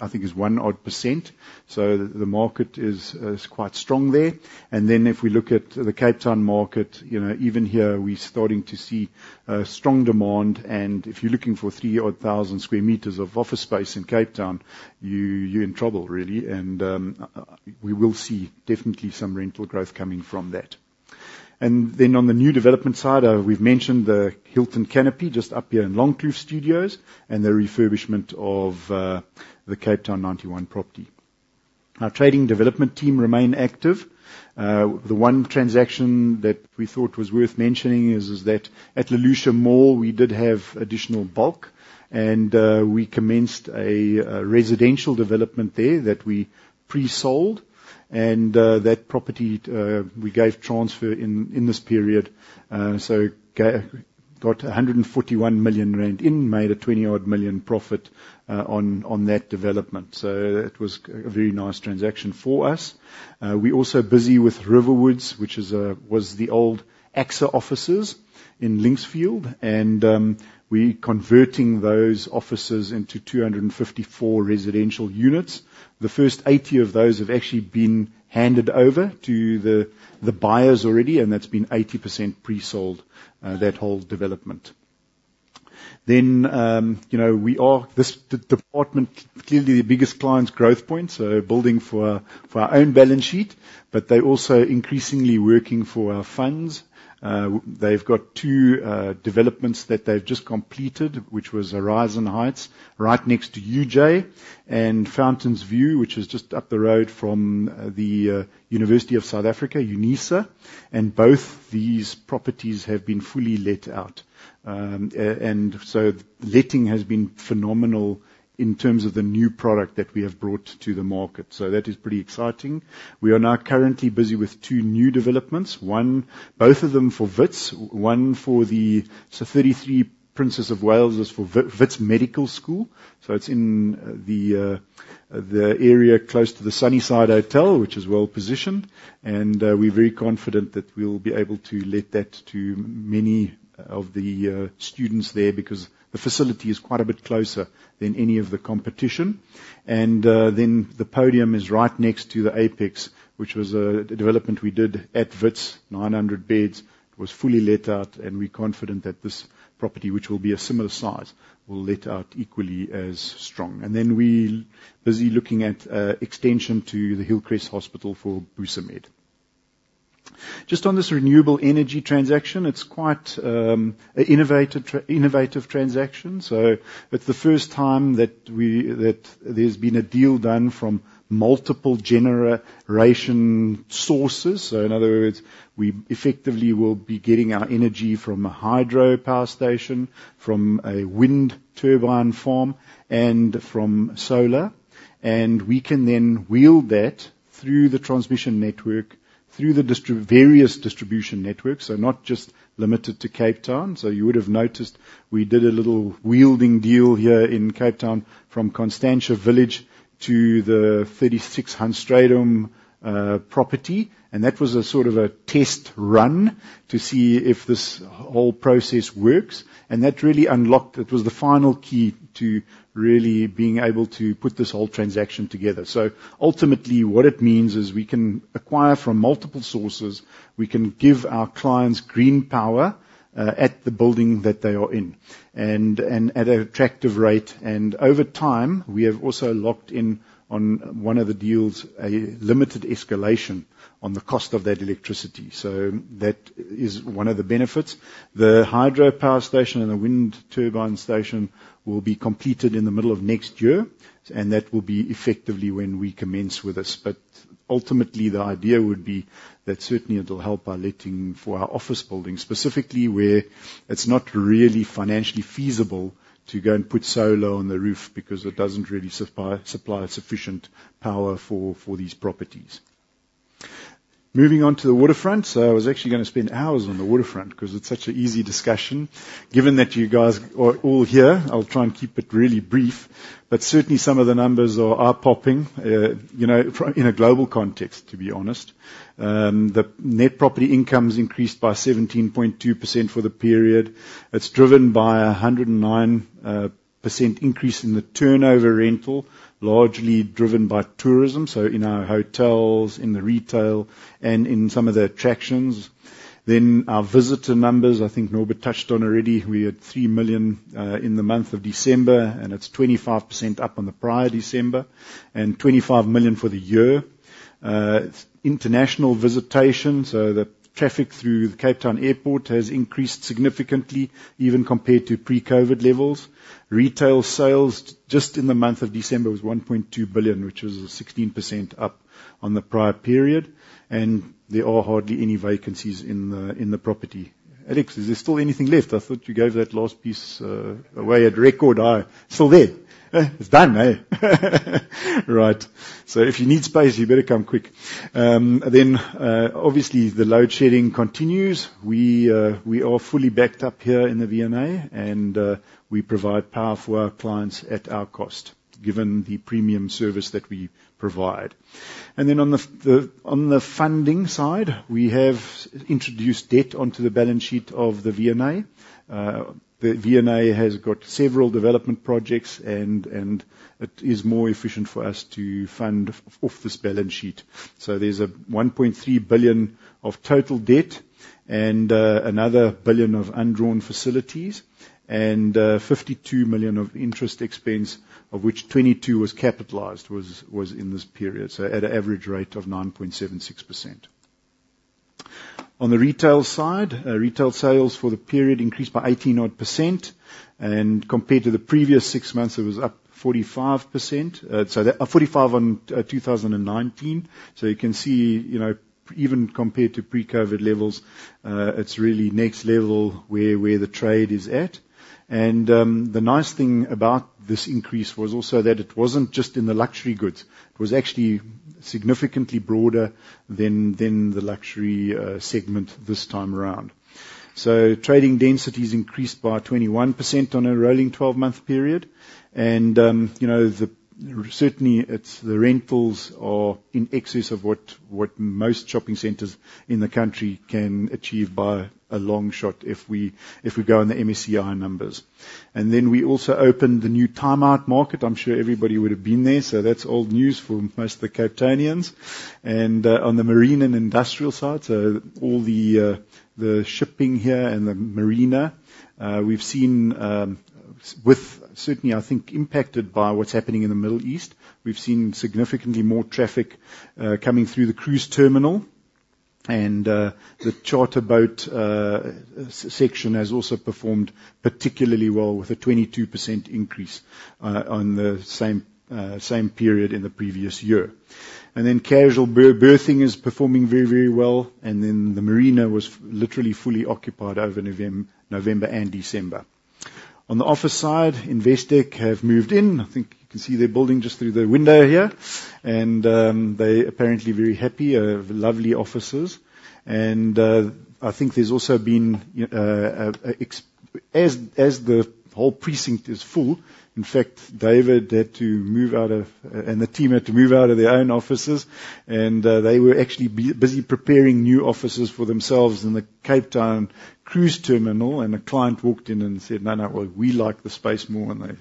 I think, is 1 odd %, so the market is quite strong there. And then, if we look at the Cape Town market, you know, even here, we're starting to see strong demand, and if you're looking for 3,000 square meters of office space in Cape Town, you're in trouble, really. And we will see definitely some rental growth coming from that. And then, on the new development side, we've mentioned the Hilton Canopy, just up here in Longkloof Studios, and the refurbishment of the Cape Town Ninety One property. Our trading development team remain active. The one transaction that we thought was worth mentioning is that at Liliesleaf Mall, we did have additional bulk, and we commenced a residential development there that we pre-sold, and that property we gave transfer in this period. So got 141 million rand in, made a 20-odd million profit on that development. So it was a very nice transaction for us. We're also busy with Riverwoods, which was the old AXA offices in Linksfield, and we're converting those offices into 254 residential units. The first 80 of those have actually been handed over to the buyers already, and that's been 80% pre-sold that whole development. Then, you know, we are—this, the department, clearly the biggest client, Growthpoint, so building for our own balance sheet, but they're also increasingly working for our funds. They've got two developments that they've just completed, which was Horizon Heights, right next to UJ, and Fountains View, which is just up the road from the University of South Africa, UNISA. And both these properties have been fully let out. And so letting has been phenomenal in terms of the new product that we have brought to the market, so that is pretty exciting. We are now currently busy with two new developments. Both of them for Wits. One for the... So 33 Princess of Wales is for Wits Medical School. So it's in the area close to the Sunnyside Hotel, which is well-positioned, and we're very confident that we'll be able to let that to many of the students there, because the facility is quite a bit closer than any of the competition. Then the Podium is right next to the Apex, which was the development we did at Wits. 900 beds, was fully let out, and we're confident that this property, which will be a similar size, will let out equally as strong. Then we're busy looking at extension to the Hillcrest Hospital for Busamed. Just on this renewable energy transaction, it's quite an innovative transaction. So it's the first time that we, that there's been a deal done from multiple generation sources. So in other words, we effectively will be getting our energy from a hydropower station, from a wind turbine farm, and from solar. And we can then wheel that through the transmission network, through various distribution networks, so not just limited to Cape Town. So you would have noticed, we did a little wheeling deal here in Cape Town, from Constantia Village to the 36 Hans Strijdom property, and that was a sort of a test run to see if this whole process works. And that really unlocked... It was the final key to really being able to put this whole transaction together. So ultimately, what it means is we can acquire from multiple sources, we can give our clients green power, at the building that they are in, and, and at an attractive rate. Over time, we have also locked in on one of the deals, a limited escalation on the cost of that electricity. So that is one of the benefits. The hydropower station and the wind turbine station will be completed in the middle of next year, and that will be effectively when we commence with this. But ultimately, the idea would be that certainly it will help our letting for our office building, specifically, where it's not really financially feasible to go and put solar on the roof because it doesn't really supply sufficient power for these properties. Moving on to the Waterfront. So I was actually gonna spend hours on the Waterfront because it's such an easy discussion. Given that you guys are all here, I'll try and keep it really brief, but certainly some of the numbers are popping, you know, from, in a global context, to be honest. The net property incomes increased by 17.2% for the period. It's driven by a 109% increase in the turnover rental, largely driven by tourism, so in our hotels, in the retail, and in some of the attractions. Then our visitor numbers, I think Norbert touched on already. We had 3 million in the month of December, and it's 25% up on the prior December, and 25 million for the year. International visitation, so the traffic through the Cape Town Airport has increased significantly, even compared to pre-COVID levels. Retail sales, just in the month of December, was 1.2 billion, which was 16% up on the prior period, and there are hardly any vacancies in the property. Alex, is there still anything left? I thought you gave that last piece away at record. Still there. It's done. Right. So if you need space, you better come quick. Obviously, the load shedding continues. We are fully backed up here in the V&A, and we provide power for our clients at our cost, given the premium service that we provide. Then on the funding side, we have introduced debt onto the balance sheet of the V&A. The V&A has got several development projects, and it is more efficient for us to fund off this balance sheet. So there's 1.3 billion of total debt and another 1 billion of undrawn facilities and 52 million of interest expense, of which 22 million was capitalized in this period, so at an average rate of 9.76%. On the retail side, retail sales for the period increased by 18 odd %, and compared to the previous six months, it was up 45%. So the 45% on 2019. So you can see, you know, even compared to pre-COVID levels, it's really next level where the trade is at. And the nice thing about this increase was also that it wasn't just in the luxury goods. It was actually significantly broader than the luxury segment this time around. So trading densities increased by 21% on a rolling twelve-month period. You know, certainly, it's the rentals are in excess of what most shopping centers in the country can achieve by a long shot if we go on the MSCI numbers. And then we also opened the new Time Out Market. I'm sure everybody would have been there, so that's old news for most of the Capetonians. And on the marine and industrial side, so all the shipping here and the marina, we've seen, with certainly, I think, impacted by what's happening in the Middle East. We've seen significantly more traffic coming through the cruise terminal, and the charter boat section has also performed particularly well with a 22% increase on the same period in the previous year. And then casual berthing is performing very, very well, and then the marina was literally fully occupied over November and December. On the office side, Investec have moved in. I think you can see their building just through the window here, and they're apparently very happy, lovely offices. And I think there's also been excitement. As the whole precinct is full, in fact, David had to move out of their own offices, and the team had to move out of their own offices, and they were actually busy preparing new offices for themselves in the Cape Town cruise terminal, and a client walked in and said, "No, no, well, we like the space more," and they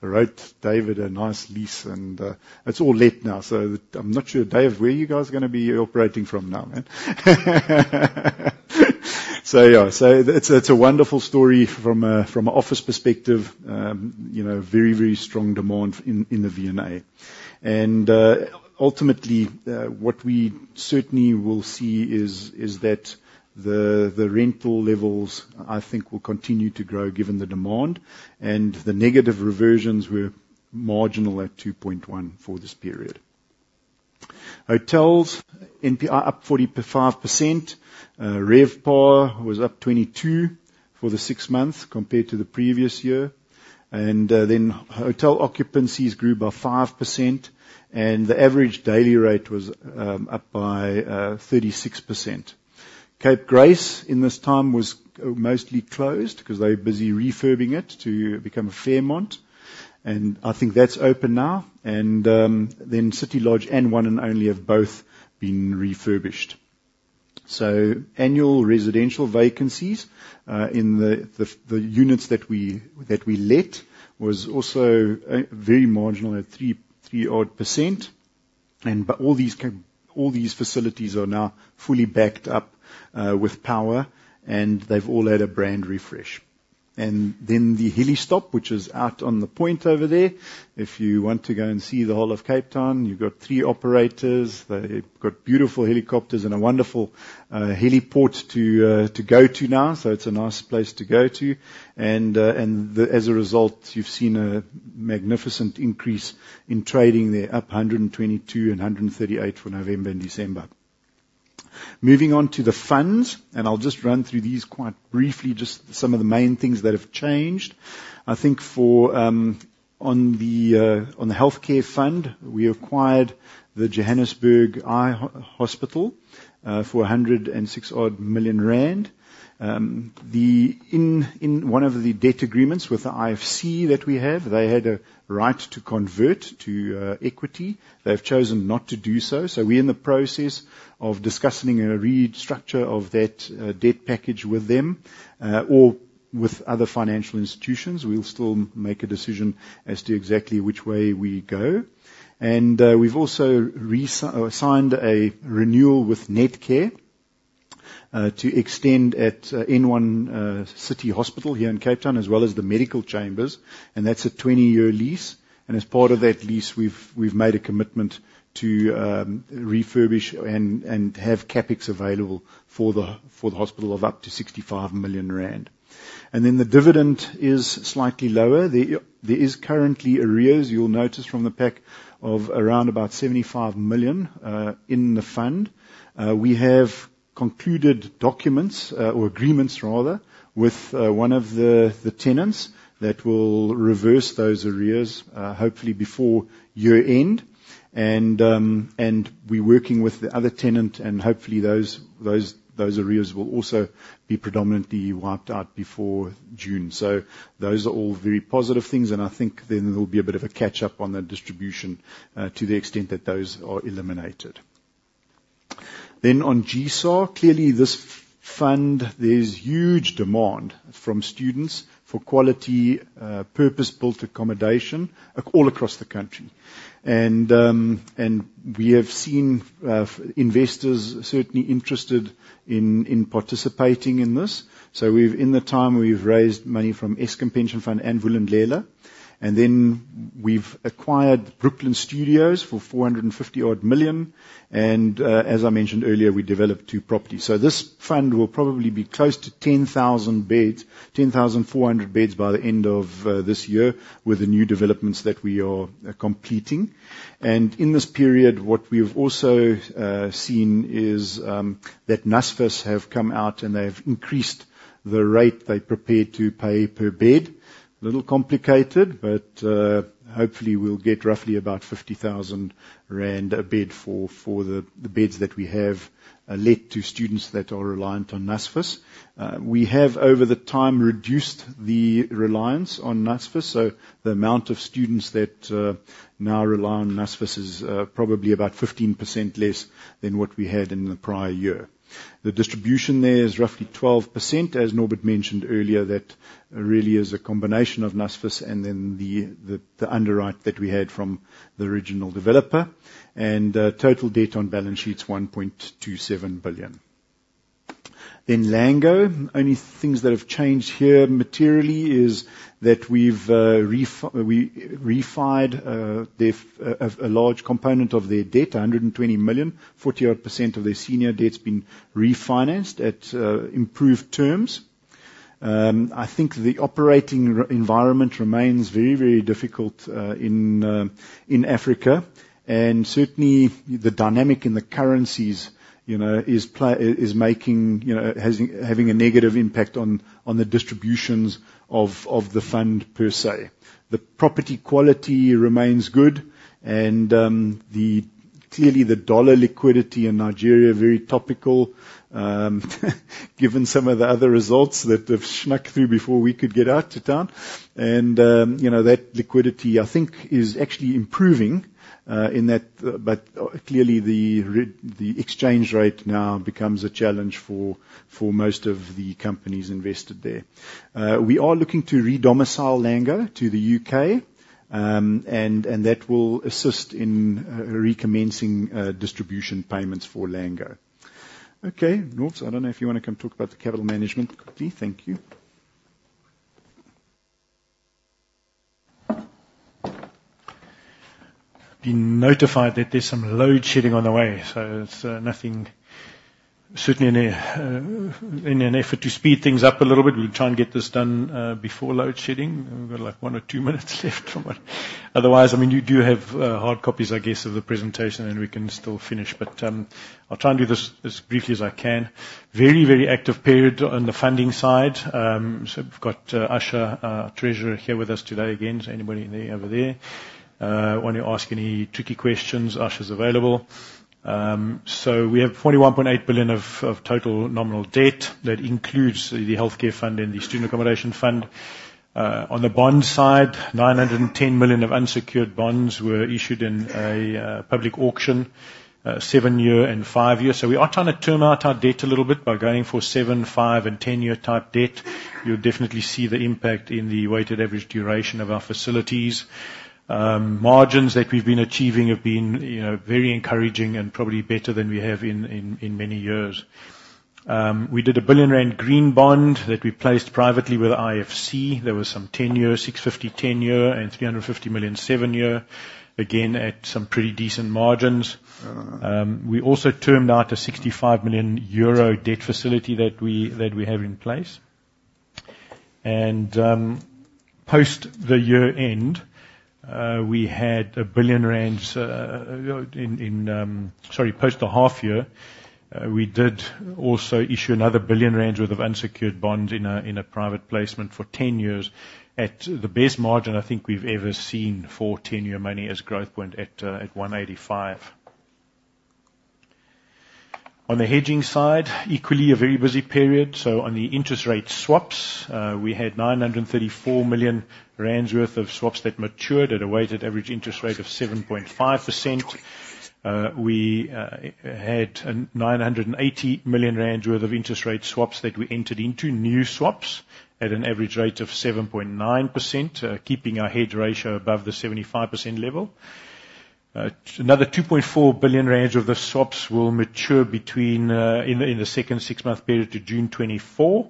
wrote David a nice lease, and it's all let now. So I'm not sure, Dave, where you guys are gonna be operating from now, man? So, yeah, it's a wonderful story from an office perspective. You know, very, very strong demand in the V&A. And ultimately, what we certainly will see is that the rental levels, I think, will continue to grow, given the demand, and the negative reversions were marginal at 2.1 for this period. Hotels, NPI up 45%. RevPAR was up 22% for the six months compared to the previous year. And then, hotel occupancies grew by 5%, and the average daily rate was up by 36%. Cape Grace, in this time, was mostly closed because they were busy refurbing it to become a Fairmont, and I think that's open now. And then City Lodge and One&Only have both been refurbished. Annual residential vacancies in the units that we let was also very marginal at 3.3%. But all these facilities are now fully backed up with power, and they've all had a brand refresh. Then the helipad, which is out on the point over there. If you want to go and see the whole of Cape Town, you've got three operators. They've got beautiful helicopters and a wonderful helipad to go to now. So it's a nice place to go to. And as a result, you've seen a magnificent increase in trading there, up 122% and 138% for November and December. Moving on to the funds, and I'll just run through these quite briefly, just some of the main things that have changed. I think for, on the, on the healthcare fund, we acquired the Johannesburg Eye Hospital for 106 odd million. In one of the debt agreements with the IFC that we have, they had a right to convert to equity. They've chosen not to do so. So we're in the process of discussing a restructure of that debt package with them or with other financial institutions. We'll still make a decision as to exactly which way we go. And we've also signed a renewal with Netcare to extend at N1 City Hospital here in Cape Town, as well as the medical chambers, and that's a 20-year lease. As part of that lease, we've made a commitment to refurbish and have CapEx available for the hospital of up to 65 million rand. And then the dividend is slightly lower. There is currently arrears, you'll notice from the pack of around 75 million in the fund. We have concluded documents or agreements rather, with one of the tenants that will reverse those arrears, hopefully before year end. And we're working with the other tenant, and hopefully those arrears will also be predominantly wiped out before June. So those are all very positive things, and I think then there will be a bit of a catch-up on the distribution to the extent that those are eliminated. Then on GSA, clearly, this fund, there's huge demand from students for quality, purpose-built accommodation all across the country. And we have seen investors certainly interested in participating in this. So we've in the time, we've raised money from Eskom Pension Fund and Vulindlela, and then we've acquired Brooklyn Studios for 450-odd million, and, as I mentioned earlier, we developed two properties. So this fund will probably be close to 10,000 beds, 10,400 beds by the end of this year, with the new developments that we are completing. And in this period, what we've also seen is that NSFAS have come out, and they've increased the rate they prepare to pay per bed. A little complicated, but hopefully we'll get roughly about 50,000 rand a bed for the beds that we have let to students that are reliant on NSFAS. We have, over the time, reduced the reliance on NSFAS, so the amount of students that now rely on NSFAS is probably about 15% less than what we had in the prior year. The distribution there is roughly 12%. As Norbert mentioned earlier, that really is a combination of NSFAS and then the underwrite that we had from the original developer. Total debt on balance sheet is 1.27 billion. In Lango, only things that have changed here materially is that we've refinanced a large component of their debt, 120 million. 40-odd% of their senior debt's been refinanced at, improved terms. I think the operating environment remains very, very difficult, in, in Africa, and certainly, the dynamic in the currencies, you know, is making, you know, having a negative impact on, on the distributions of, of the fund per se. The property quality remains good, and, the... Clearly, the US dollar liquidity in Nigeria, very topical, given some of the other results that have snuck through before we could get out to town. And, you know, that liquidity, I think, is actually improving, in that, but, clearly, the exchange rate now becomes a challenge for, for most of the companies invested there. We are looking to redomicile Lango to the UK, and that will assist in recommencing distribution payments for Lango. Okay, Norbert, I don't know if you want to come talk about the capital management quickly. Thank you.
Been notified that there's some load shedding on the way, so it's nothing... Certainly, in an effort to speed things up a little bit, we'll try and get this done before load shedding. We've got, like, one or two minutes left or what. Otherwise, I mean, you do have hard copies, I guess, of the presentation, and we can still finish. But, I'll try and do this as briefly as I can. Very, very active period on the funding side. So we've got Yusha', our treasurer, here with us today again. So anybody in there, over there, want to ask any tricky questions, Yusha' is available. So we have 41.8 billion of total nominal debt. That includes the healthcare fund and the student accommodation fund. On the bond side, 910 million of unsecured bonds were issued in a public auction, 7-year and 5 years. So we are trying to turn out our debt a little bit by going for 7-, 5-, and 10-year type debt. You'll definitely see the impact in the weighted average duration of our facilities. Margins that we've been achieving have been, you know, very encouraging and probably better than we have in many years. We did a 1 billion rand green bond that we placed privately with IFC. There was some ten-year, 6.50, ten-year, and 350 million, seven-year, again, at some pretty decent margins. We also termed out a 65 million euro debt facility that we, that we have in place. And, post the year end, we had a 1 billion rand, in, in... Sorry, post the half year, we did also issue another 1 billion rand worth of unsecured bonds in a, in a private placement for ten years, at the best margin I think we've ever seen for ten-year money as Growthpoint at, at 185. On the hedging side, equally a very busy period, so on the interest rate swaps, we had 934 million rand worth of swaps that matured at a weighted average interest rate of 7.5%. We had 980 million rand worth of interest rate swaps that we entered into, new swaps, at an average rate of 7.9%, keeping our hedge ratio above the 75% level. Another 2.4 billion of the swaps will mature between in the second six-month period to June 2024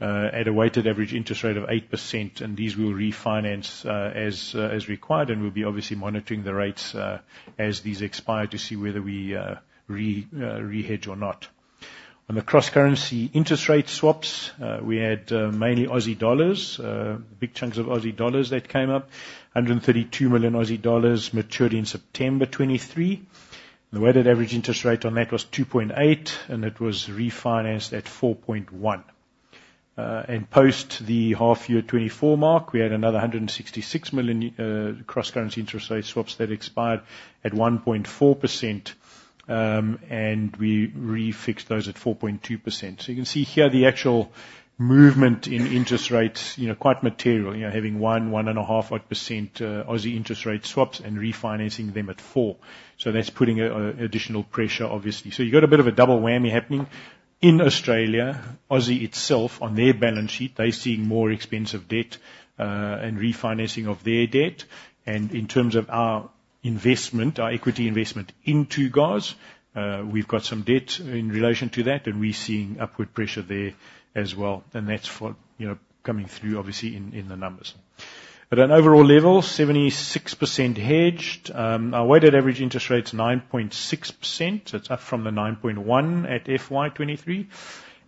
at a weighted average interest rate of 8%, and these will refinance as required, and we'll be obviously monitoring the rates as these expire, to see whether we re-hedge or not. On the cross-currency interest rate swaps, we had mainly Aussie dollars, big chunks of Aussie dollars that came up. 132 million Aussie dollars matured in September 2023. The weighted average interest rate on that was 2.8%, and it was refinanced at 4.1%. And post the half year 2024 mark, we had another 166 million cross-currency interest rate swaps that expired at 1.4%, and we refixed those at 4.2%. So you can see here the actual movement in interest rates, you know, quite material. You know, having 1, 1 and a half odd percent, Aussie interest rate swaps and refinancing them at 4. So that's putting additional pressure, obviously. So you've got a bit of a double whammy happening. In Australia, Aussie itself, on their balance sheet, they're seeing more expensive debt and refinancing of their debt. And in terms of our investment, our equity investment into GOZ, we've got some debt in relation to that, and we're seeing upward pressure there as well, and that's what, you know, coming through, obviously, in the numbers. At an overall level, 76% hedged. Our weighted average interest rate's 9.6%. It's up from the 9.1% at FY 2023,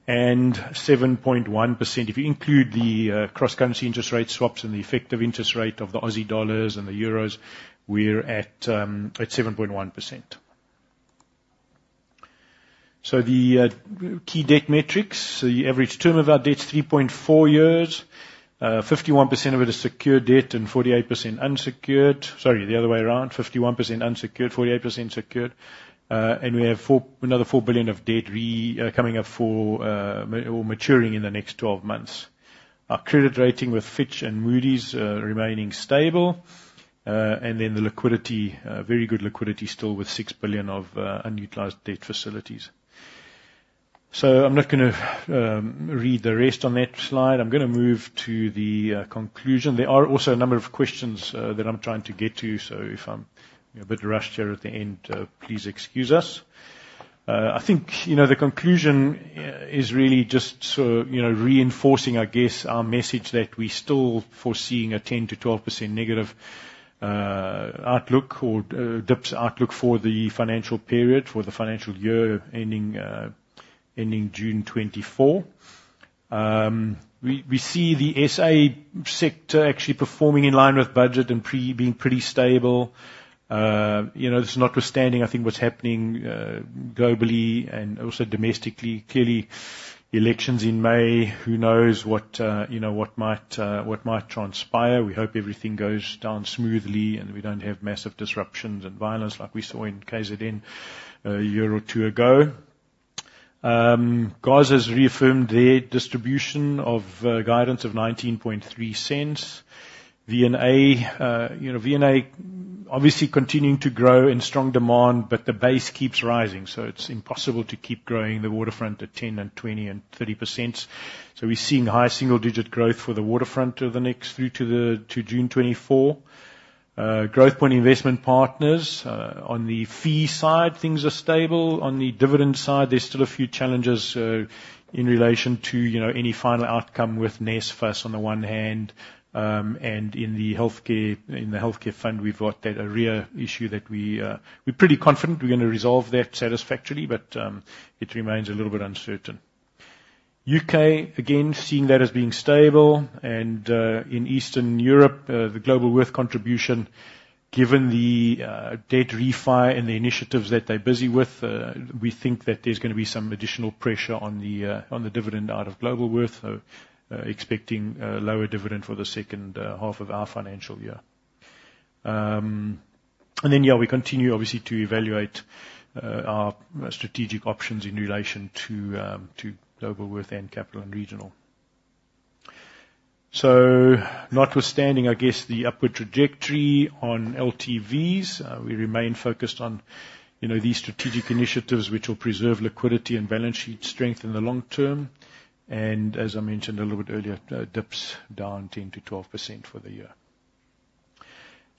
and 7.1%. If you include the cross-currency interest rate swaps and the effective interest rate of the Aussie dollars and the euros, we're at 7.1%. So the key debt metrics. The average term of our debt is 3.4 years. 51% of it is secured debt and 48% unsecured. Sorry, the other way around, 51% unsecured, 48% secured. And we have another 4 billion of debt coming up for maturity in the next 12 months. Our credit rating with Fitch and Moody's remaining stable. And then the liquidity, very good liquidity still, with 6 billion of unutilized debt facilities. So I'm not gonna read the rest on that slide. I'm gonna move to the conclusion. There are also a number of questions that I'm trying to get to, so if I'm, you know, a bit rushed here at the end, please excuse us. I think, you know, the conclusion is really just so, you know, reinforcing, I guess, our message that we're still foreseeing a 10%-12% negative outlook or DIPS outlook for the financial period, for the financial year ending June 2024. We see the SA sector actually performing in line with budget and pretty stable. You know, this is notwithstanding, I think, what's happening globally and also domestically. Clearly, elections in May, who knows what, you know, what might transpire. We hope everything goes down smoothly, and we don't have massive disruptions and violence like we saw in KZN a year or two ago. GOZ has reaffirmed their distribution guidance of 0.193. V&A, you know, V&A obviously continuing to grow in strong demand, but the base keeps rising, so it's impossible to keep growing the waterfront at 10% and 20% and 30%. So we're seeing high single-digit growth for the waterfront over the next... through to the, to June 2024. Growthpoint Investment Partners, on the fee side, things are stable. On the dividend side, there's still a few challenges, in relation to, you know, any final outcome with NSFAS on the one hand, and in the healthcare, in the healthcare fund, we've got that arrears issue that we, we're pretty confident we're gonna resolve that satisfactorily, but, it remains a little bit uncertain. UK, again, seeing that as being stable. In Eastern Europe, the Globalworth contribution, given the debt refi and the initiatives that they're busy with, we think that there's gonna be some additional pressure on the dividend out of Globalworth. Expecting a lower dividend for the second half of our financial year. Then, yeah, we continue, obviously, to evaluate our strategic options in relation to Globalworth and Capital & Regional. Notwithstanding, I guess, the upward trajectory on LTVs, we remain focused on, you know, these strategic initiatives, which will preserve liquidity and balance sheet strength in the long term, and as I mentioned a little bit earlier, DIPS down 10%-12% for the year....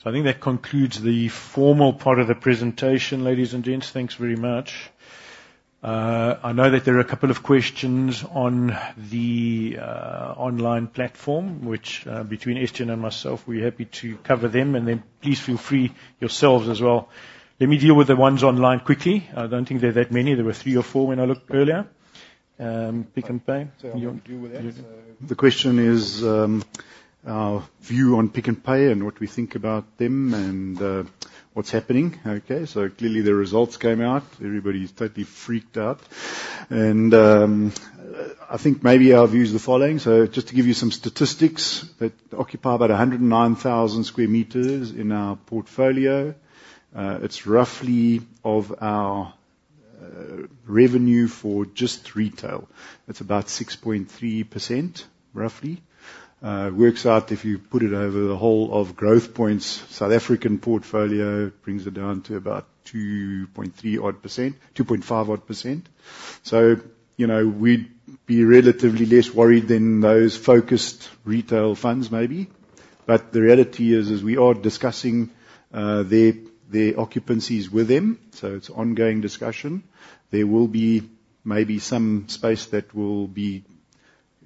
So I think that concludes the formal part of the presentation, ladies and gents. Thanks very much. I know that there are a couple of questions on the online platform, which, between Estienne and myself, we're happy to cover them, and then please feel free yourselves as well. Let me deal with the ones online quickly. I don't think there are that many. There were three or four when I looked earlier. Pick n Pay. I'm gonna deal with that.
The question is, our view on Pick n Pay and what we think about them and, what's happening. Okay, so clearly, the results came out. Everybody's totally freaked out. And, I think maybe our view is the following. So just to give you some statistics, they occupy about 109,000 square meters in our portfolio. It's roughly of our revenue for just retail. It's about 6.3%, roughly. It works out, if you put it over the whole of Growthpoint's South African portfolio, brings it down to about 2.3 odd%, 2.5 odd%. So, you know, we'd be relatively less worried than those focused retail funds, maybe. But the reality is, we are discussing, their occupancies with them, so it's ongoing discussion. There will be maybe some space that will be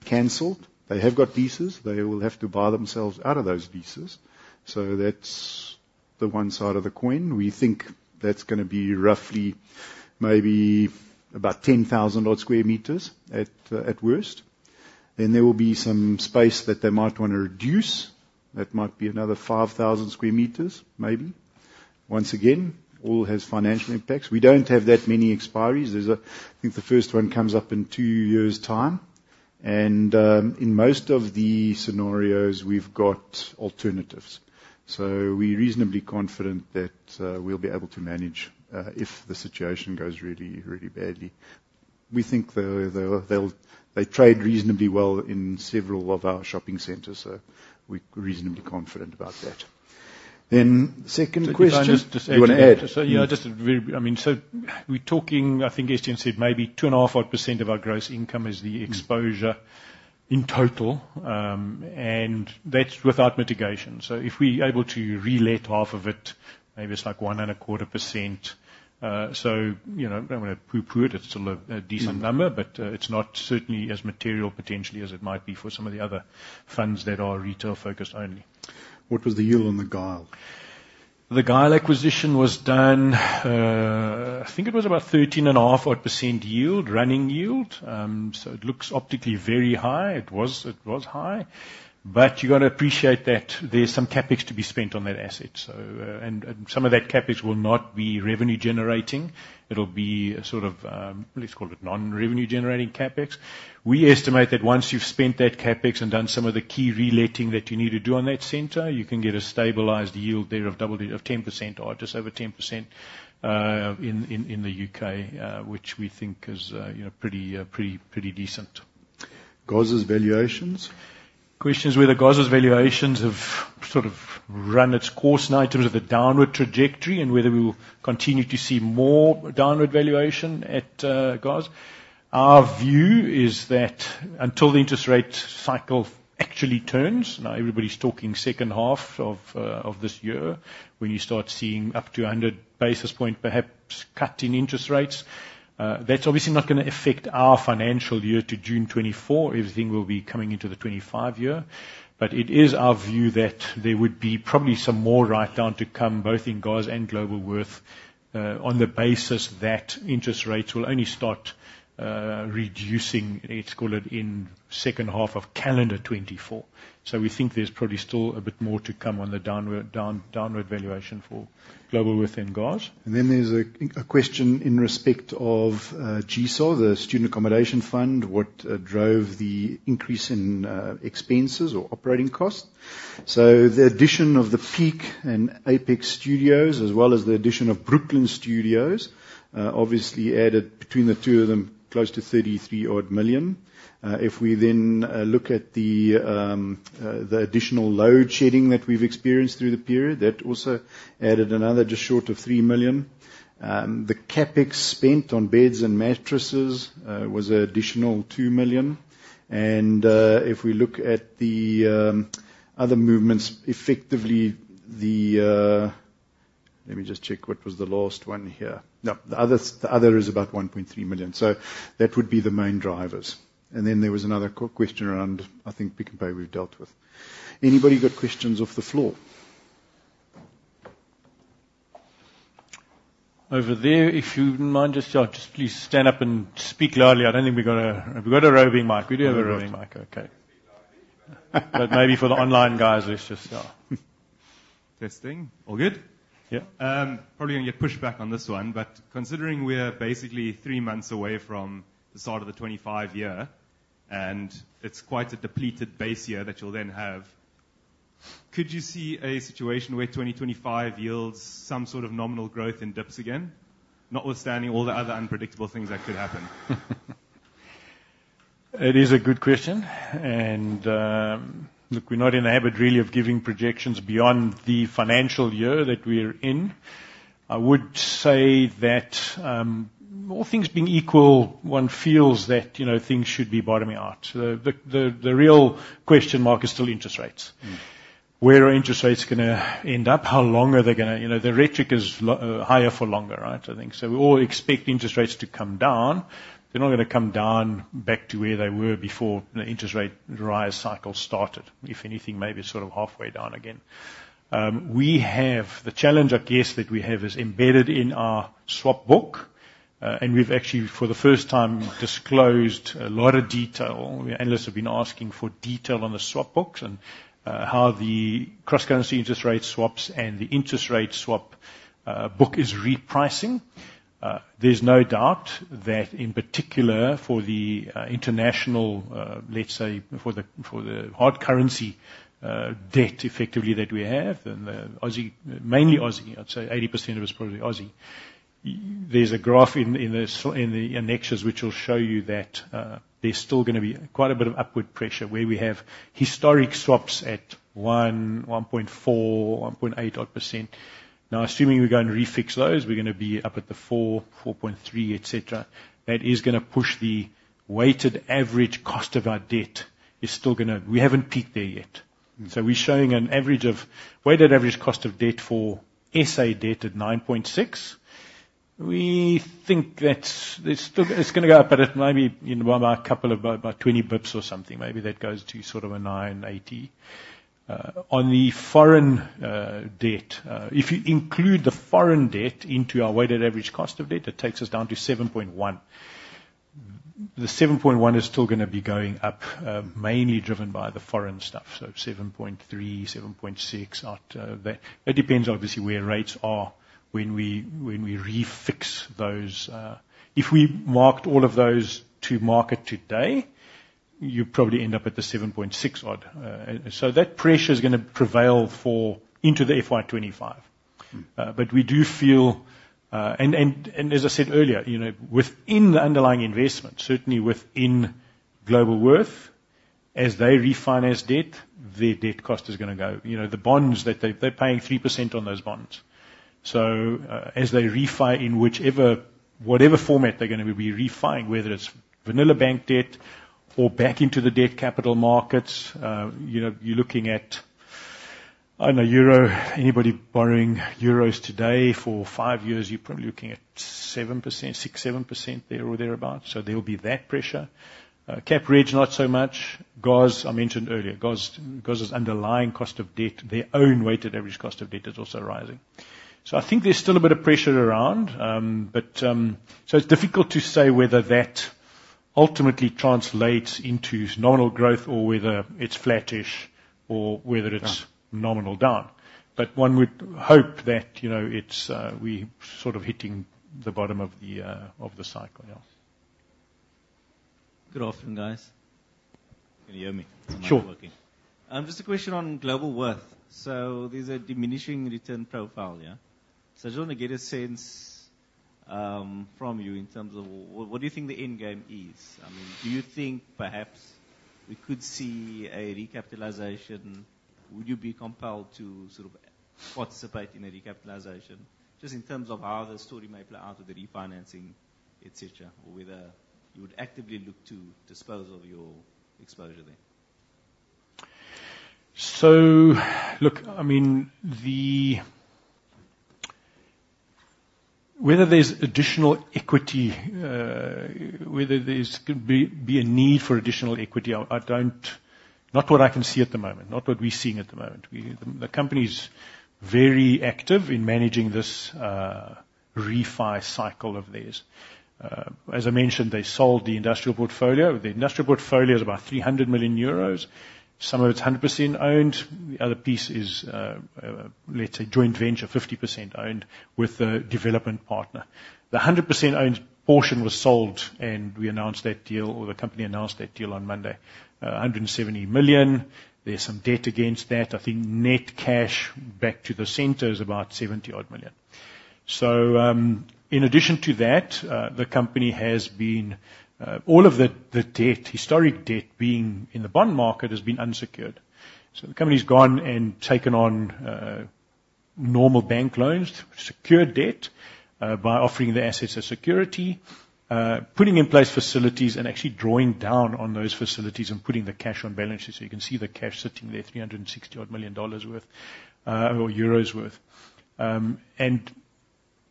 canceled. They have got leases. They will have to buy themselves out of those leases. So that's the one side of the coin. We think that's gonna be roughly, maybe about 10,000 odd sq m at worst. Then there will be some space that they might wanna reduce. That might be another 5,000 sq m, maybe. Once again, all has financial impacts. We don't have that many expiries. There's a—I think the first one comes up in two years' time, and in most of the scenarios, we've got alternatives. So we're reasonably confident that we'll be able to manage if the situation goes really, really badly. We think, though, they'll, they'll. They trade reasonably well in several of our shopping centers, so we're reasonably confident about that. Then second question-
If I may just add to that.
You want to add?
Yeah, just a very... I mean, we're talking, I think Estienne said maybe 2.5% odd of our gross income is the exposure-
Mm.
- in total, and that's without mitigation. So if we're able to relet half of it, maybe it's like 1.25%. You know, I don't want to poo-poo it. It's still a decent number-
Mm.
But it's not certainly as material potentially as it might be for some of the other funds that are retail-focused only.
What was the yield on the Gyle?
The Gyle acquisition was done. I think it was about 13.5 or so % yield, running yield. So it looks optically very high. It was, it was high, but you've got to appreciate that there's some CapEx to be spent on that asset. So, and some of that CapEx will not be revenue generating. It'll be a sort of, let's call it non-revenue generating CapEx. We estimate that once you've spent that CapEx and done some of the key reletting that you need to do on that center, you can get a stabilized yield there of double digits of 10% or just over 10%, in the UK, which we think is, you know, pretty, pretty, pretty decent.
GOZ's valuations?
Question is whether GOZ's valuations have sort of run its course now in terms of the downward trajectory and whether we will continue to see more downward valuation at GOZ. Our view is that until the interest rate cycle actually turns, now everybody's talking second half of this year, when you start seeing up to 100 basis point, perhaps cut in interest rates, that's obviously not gonna affect our financial year to June 2024. Everything will be coming into the 2025 year. But it is our view that there would be probably some more write-down to come, both in GOZ and Globalworth, on the basis that interest rates will only start reducing, let's call it, in second half of calendar 2024. We think there's probably still a bit more to come on the downward valuation for Globalworth and GOZ.
And then there's a question in respect of GSO, the Student Accommodation Fund, what drove the increase in expenses or operating costs? So the addition of The Peak and Apex Studios, as well as the addition of Brooklyn Studios, obviously added between the two of them, close to 33 million. If we then look at the additional load shedding that we've experienced through the period, that also added another just short of 3 million. The CapEx spent on beds and mattresses was an additional 2 million. And if we look at the other movements, effectively... Let me just check what was the last one here. No, the others- the other is about 1.3 million, so that would be the main drivers. Then, there was another question around, I think, Pick n Pay we've dealt with. Anybody got questions off the floor? Over there, if you wouldn't mind just, just please stand up and speak loudly. I don't think we got a roving mic. Have we got a roving mic? We do have a roving mic.
We have a mic.
Okay.
Speak loudly. But maybe for the online guys, let's just... Testing. All good?
Yeah.
Probably gonna get pushback on this one, but considering we are basically three months away from the start of the 2025 year, and it's quite a depleted base year that you'll then have, could you see a situation where 2025 yields some sort of nominal growth in DIPS again, notwithstanding all the other unpredictable things that could happen?
It is a good question, and, look, we're not in the habit, really, of giving projections beyond the financial year that we're in....
I would say that, all things being equal, one feels that, you know, things should be bottoming out. The real question mark is still interest rates.
Mm.
Where are interest rates gonna end up? How long are they gonna? You know, the rhetoric is higher for longer, right? I think. So we all expect interest rates to come down. They're not gonna come down back to where they were before the interest rate rise cycle started. If anything, maybe sort of halfway down again. We have the challenge, I guess, that we have, is embedded in our swap book. And we've actually, for the first time, disclosed a lot of detail. Analysts have been asking for detail on the swap books and how the cross-currency interest rate swaps and the interest rate swap book is repricing. There's no doubt that, in particular, for the international, let's say, for the hard currency debt, effectively that we have, and the Aussie, mainly Aussie, I'd say 80% of it is probably Aussie. There's a graph in the annexures, which will show you that, there's still gonna be quite a bit of upward pressure where we have historic swaps at 1.4, 1.8 odd %. Now, assuming we're going to refix those, we're gonna be up at the 4, 4.3, et cetera. That is gonna push the weighted average cost of our debt, is still gonna... We haven't peaked there yet.
Mm.
So we're showing an average of weighted average cost of debt for SA debt at 9.6. We think that's, it's still, it's gonna go up, but it maybe, you know, by a couple of, by twenty basis points or something, maybe that goes to sort of a 9.8. On the foreign debt, if you include the foreign debt into our weighted average cost of debt, it takes us down to 7.1. The 7.1 is still gonna be going up, mainly driven by the foreign stuff. So 7.3, 7.6 out of that. It depends, obviously, where rates are when we refix those. If we marked all of those to market today, you'd probably end up at the 7.6 odd. So that pressure is gonna prevail for into the FY 2025.
Mm.
But we do feel... And as I said earlier, you know, within the underlying investment, certainly within Globalworth, as they refinance debt, their debt cost is gonna go. You know, the bonds that they, they're paying 3% on those bonds. So, as they refi in whichever, whatever format they're gonna be refi-ing, whether it's vanilla bank debt or back into the debt capital markets, you know, you're looking at, I don't know, euro. Anybody borrowing euros today for five years, you're probably looking at 7%, 6%-7% there or thereabout. So there will be that pressure. CapReg, not so much. GOZ, I mentioned earlier, GOZ, GOZ's underlying cost of debt, their own weighted average cost of debt is also rising. So I think there's still a bit of pressure around, so it's difficult to say whether that ultimately translates into nominal growth or whether it's flattish, or whether it's-
Yeah.
nominal down. But one would hope that, you know, it's we sort of hitting the bottom of the, of the cycle. Yeah.
Good afternoon, guys. Can you hear me?
Sure.
Am working. Just a question on Globalworth. So there's a diminishing return profile, yeah? So I just want to get a sense, from you in terms of what, what do you think the end game is? I mean, do you think perhaps we could see a recapitalization? Would you be compelled to sort of participate in a recapitalization, just in terms of how the story may play out with the refinancing, et cetera, or whether you would actively look to dispose of your exposure there?
So look, I mean, whether there's additional equity, whether there's, could be, be a need for additional equity, I, I don't... Not what I can see at the moment, not what we're seeing at the moment. We, the company is very active in managing this refi cycle of theirs. As I mentioned, they sold the industrial portfolio. The industrial portfolio is about 300 million euros. Some of it's 100% owned. The other piece is, let's say, joint venture, 50% owned with a development partner. The 100% owned portion was sold, and we announced that deal, or the company announced that deal on Monday. A 170 million. There's some debt against that. I think net cash back to the center is about 70 million. So, in addition to that, the company has been, all of the, the debt, historic debt being in the bond market has been unsecured. So the company's gone and taken on, normal bank loans, secured debt, by offering the assets as security, putting in place facilities and actually drawing down on those facilities and putting the cash on balance sheet. So you can see the cash sitting there, EUR 360-odd million worth. And,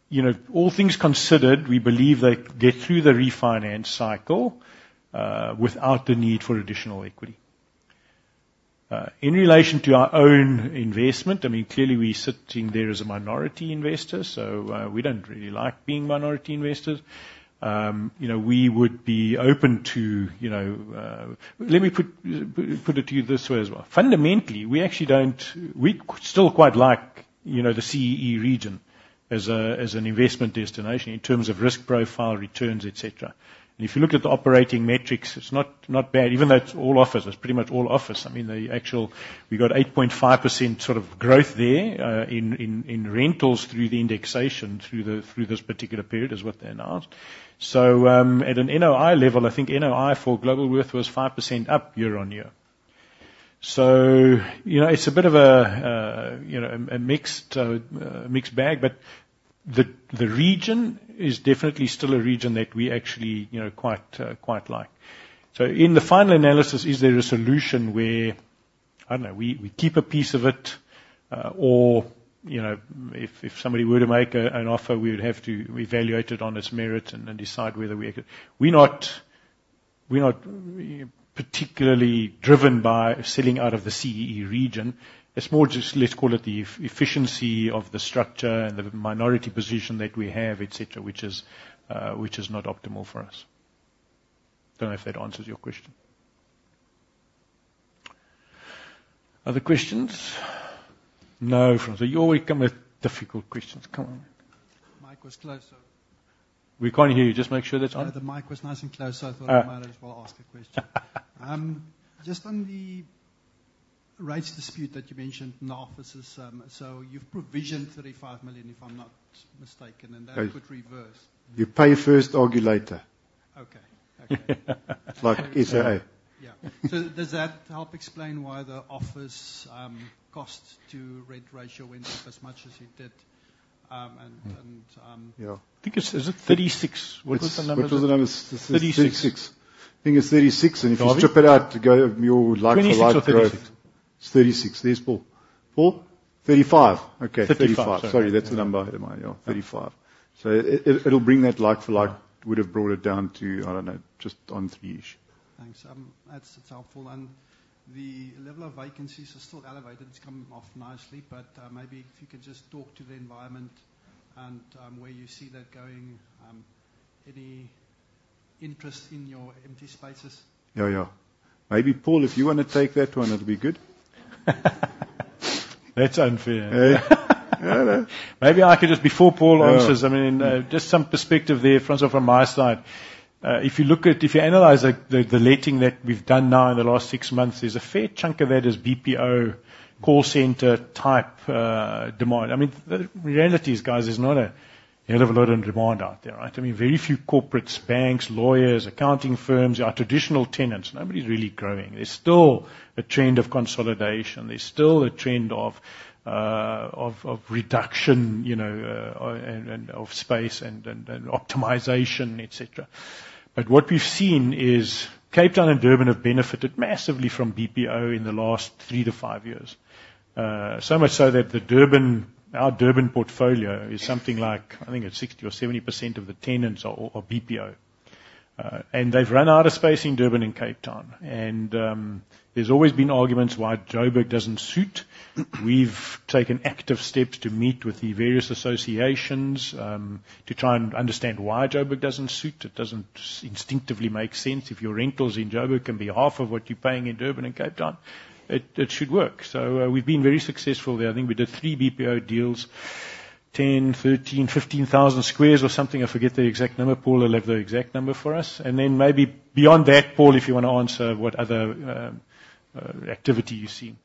you know, all things considered, we believe they get through the refinance cycle, without the need for additional equity. In relation to our own investment, I mean, clearly we sit in there as a minority investor, so, we don't really like being minority investors. You know, we would be open to, you know... Let me put it to you this way as well. Fundamentally, we actually don't—we still quite like, you know, the CEE region as an investment destination in terms of risk profile, returns, et cetera. And if you look at the operating metrics, it's not bad, even though it's all office, it's pretty much all office. I mean, the actual, we got 8.5% sort of growth there in rentals through the indexation, through this particular period, is what they announced. So, at an NOI level, I think NOI for Globalworth was 5% up year on year. So, you know, it's a bit of a, you know, a mixed bag, but the region is definitely still a region that we actually, you know, quite like. So in the final analysis, is there a solution where, I don't know, we, we keep a piece of it, or, you know, if, if somebody were to make a, an offer, we would have to evaluate it on its merits and then decide whether we could-- We're not, we're not particularly driven by selling out of the CEE region. It's more just, let's call it the efficiency of the structure and the minority position that we have, et cetera, which is, which is not optimal for us. Don't know if that answers your question. Other questions? No, François, you always come with difficult questions. Come on.
Mic was close, so-
We can't hear you. Just make sure that's on.
The mic was nice and close, so I thought I might as well ask a question. Just on the rates dispute that you mentioned in the offices, so you've provisioned 35 million, if I'm not mistaken, and that could reverse.
You pay first, argue later.
Okay. Okay.
Like SARS.
Yeah. So does that help explain why the office cost to rent ratio went up as much as it did?
Yeah. I think it's... Is it 36? What was the number? What was the number? 36. 36. I think it's 36, and if you strip it out, to go, you like for like growth. 26 or 36? It's 36. There's Paul. Paul? 35. Okay, 35. 35. Sorry, that's the number I had in mind. Yeah, 35. So it, it, it'll bring that like for like, would have brought it down to, I don't know, just on three-ish.
Thanks. That's helpful. The level of vacancies is still elevated. It's coming off nicely, but maybe if you could just talk to the environment and where you see that going, any interest in your empty spaces?
Yeah, yeah. Maybe, Paul, if you want to take that one, it'll be good. That's unfair. Yeah. Yeah. Maybe I could just, before Paul answers, yeah. I mean, just some perspective there, Francois, from my side. If you look at, if you analyze the letting that we've done now in the last six months, there's a fair chunk of that is BPO, call center type, demand. I mean, the reality is, guys, there's not a hell of a lot of demand out there, right? I mean, very few corporates, banks, lawyers, accounting firms, our traditional tenants, nobody's really growing. There's still a trend of consolidation. There's still a trend of reduction, you know, and optimization, et cetera. But what we've seen is Cape Town and Durban have benefited massively from BPO in the last 3-5 years. So much so that the Durban, our Durban portfolio is something like, I think it's 60% or 70% of the tenants are BPO. And they've run out of space in Durban and Cape Town. There's always been arguments why Jo'burg doesn't suit. We've taken active steps to meet with the various associations to try and understand why Jo'burg doesn't suit. It doesn't instinctively make sense if your rentals in Jo'burg can be half of what you're paying in Durban and Cape Town. It should work. We've been very successful there. I think we did three BPO deals, 10, 13, 15 thousand squares or something. I forget the exact number. Paul will have the exact number for us. And then maybe beyond that, Paul, if you want to answer what other activity you've seen.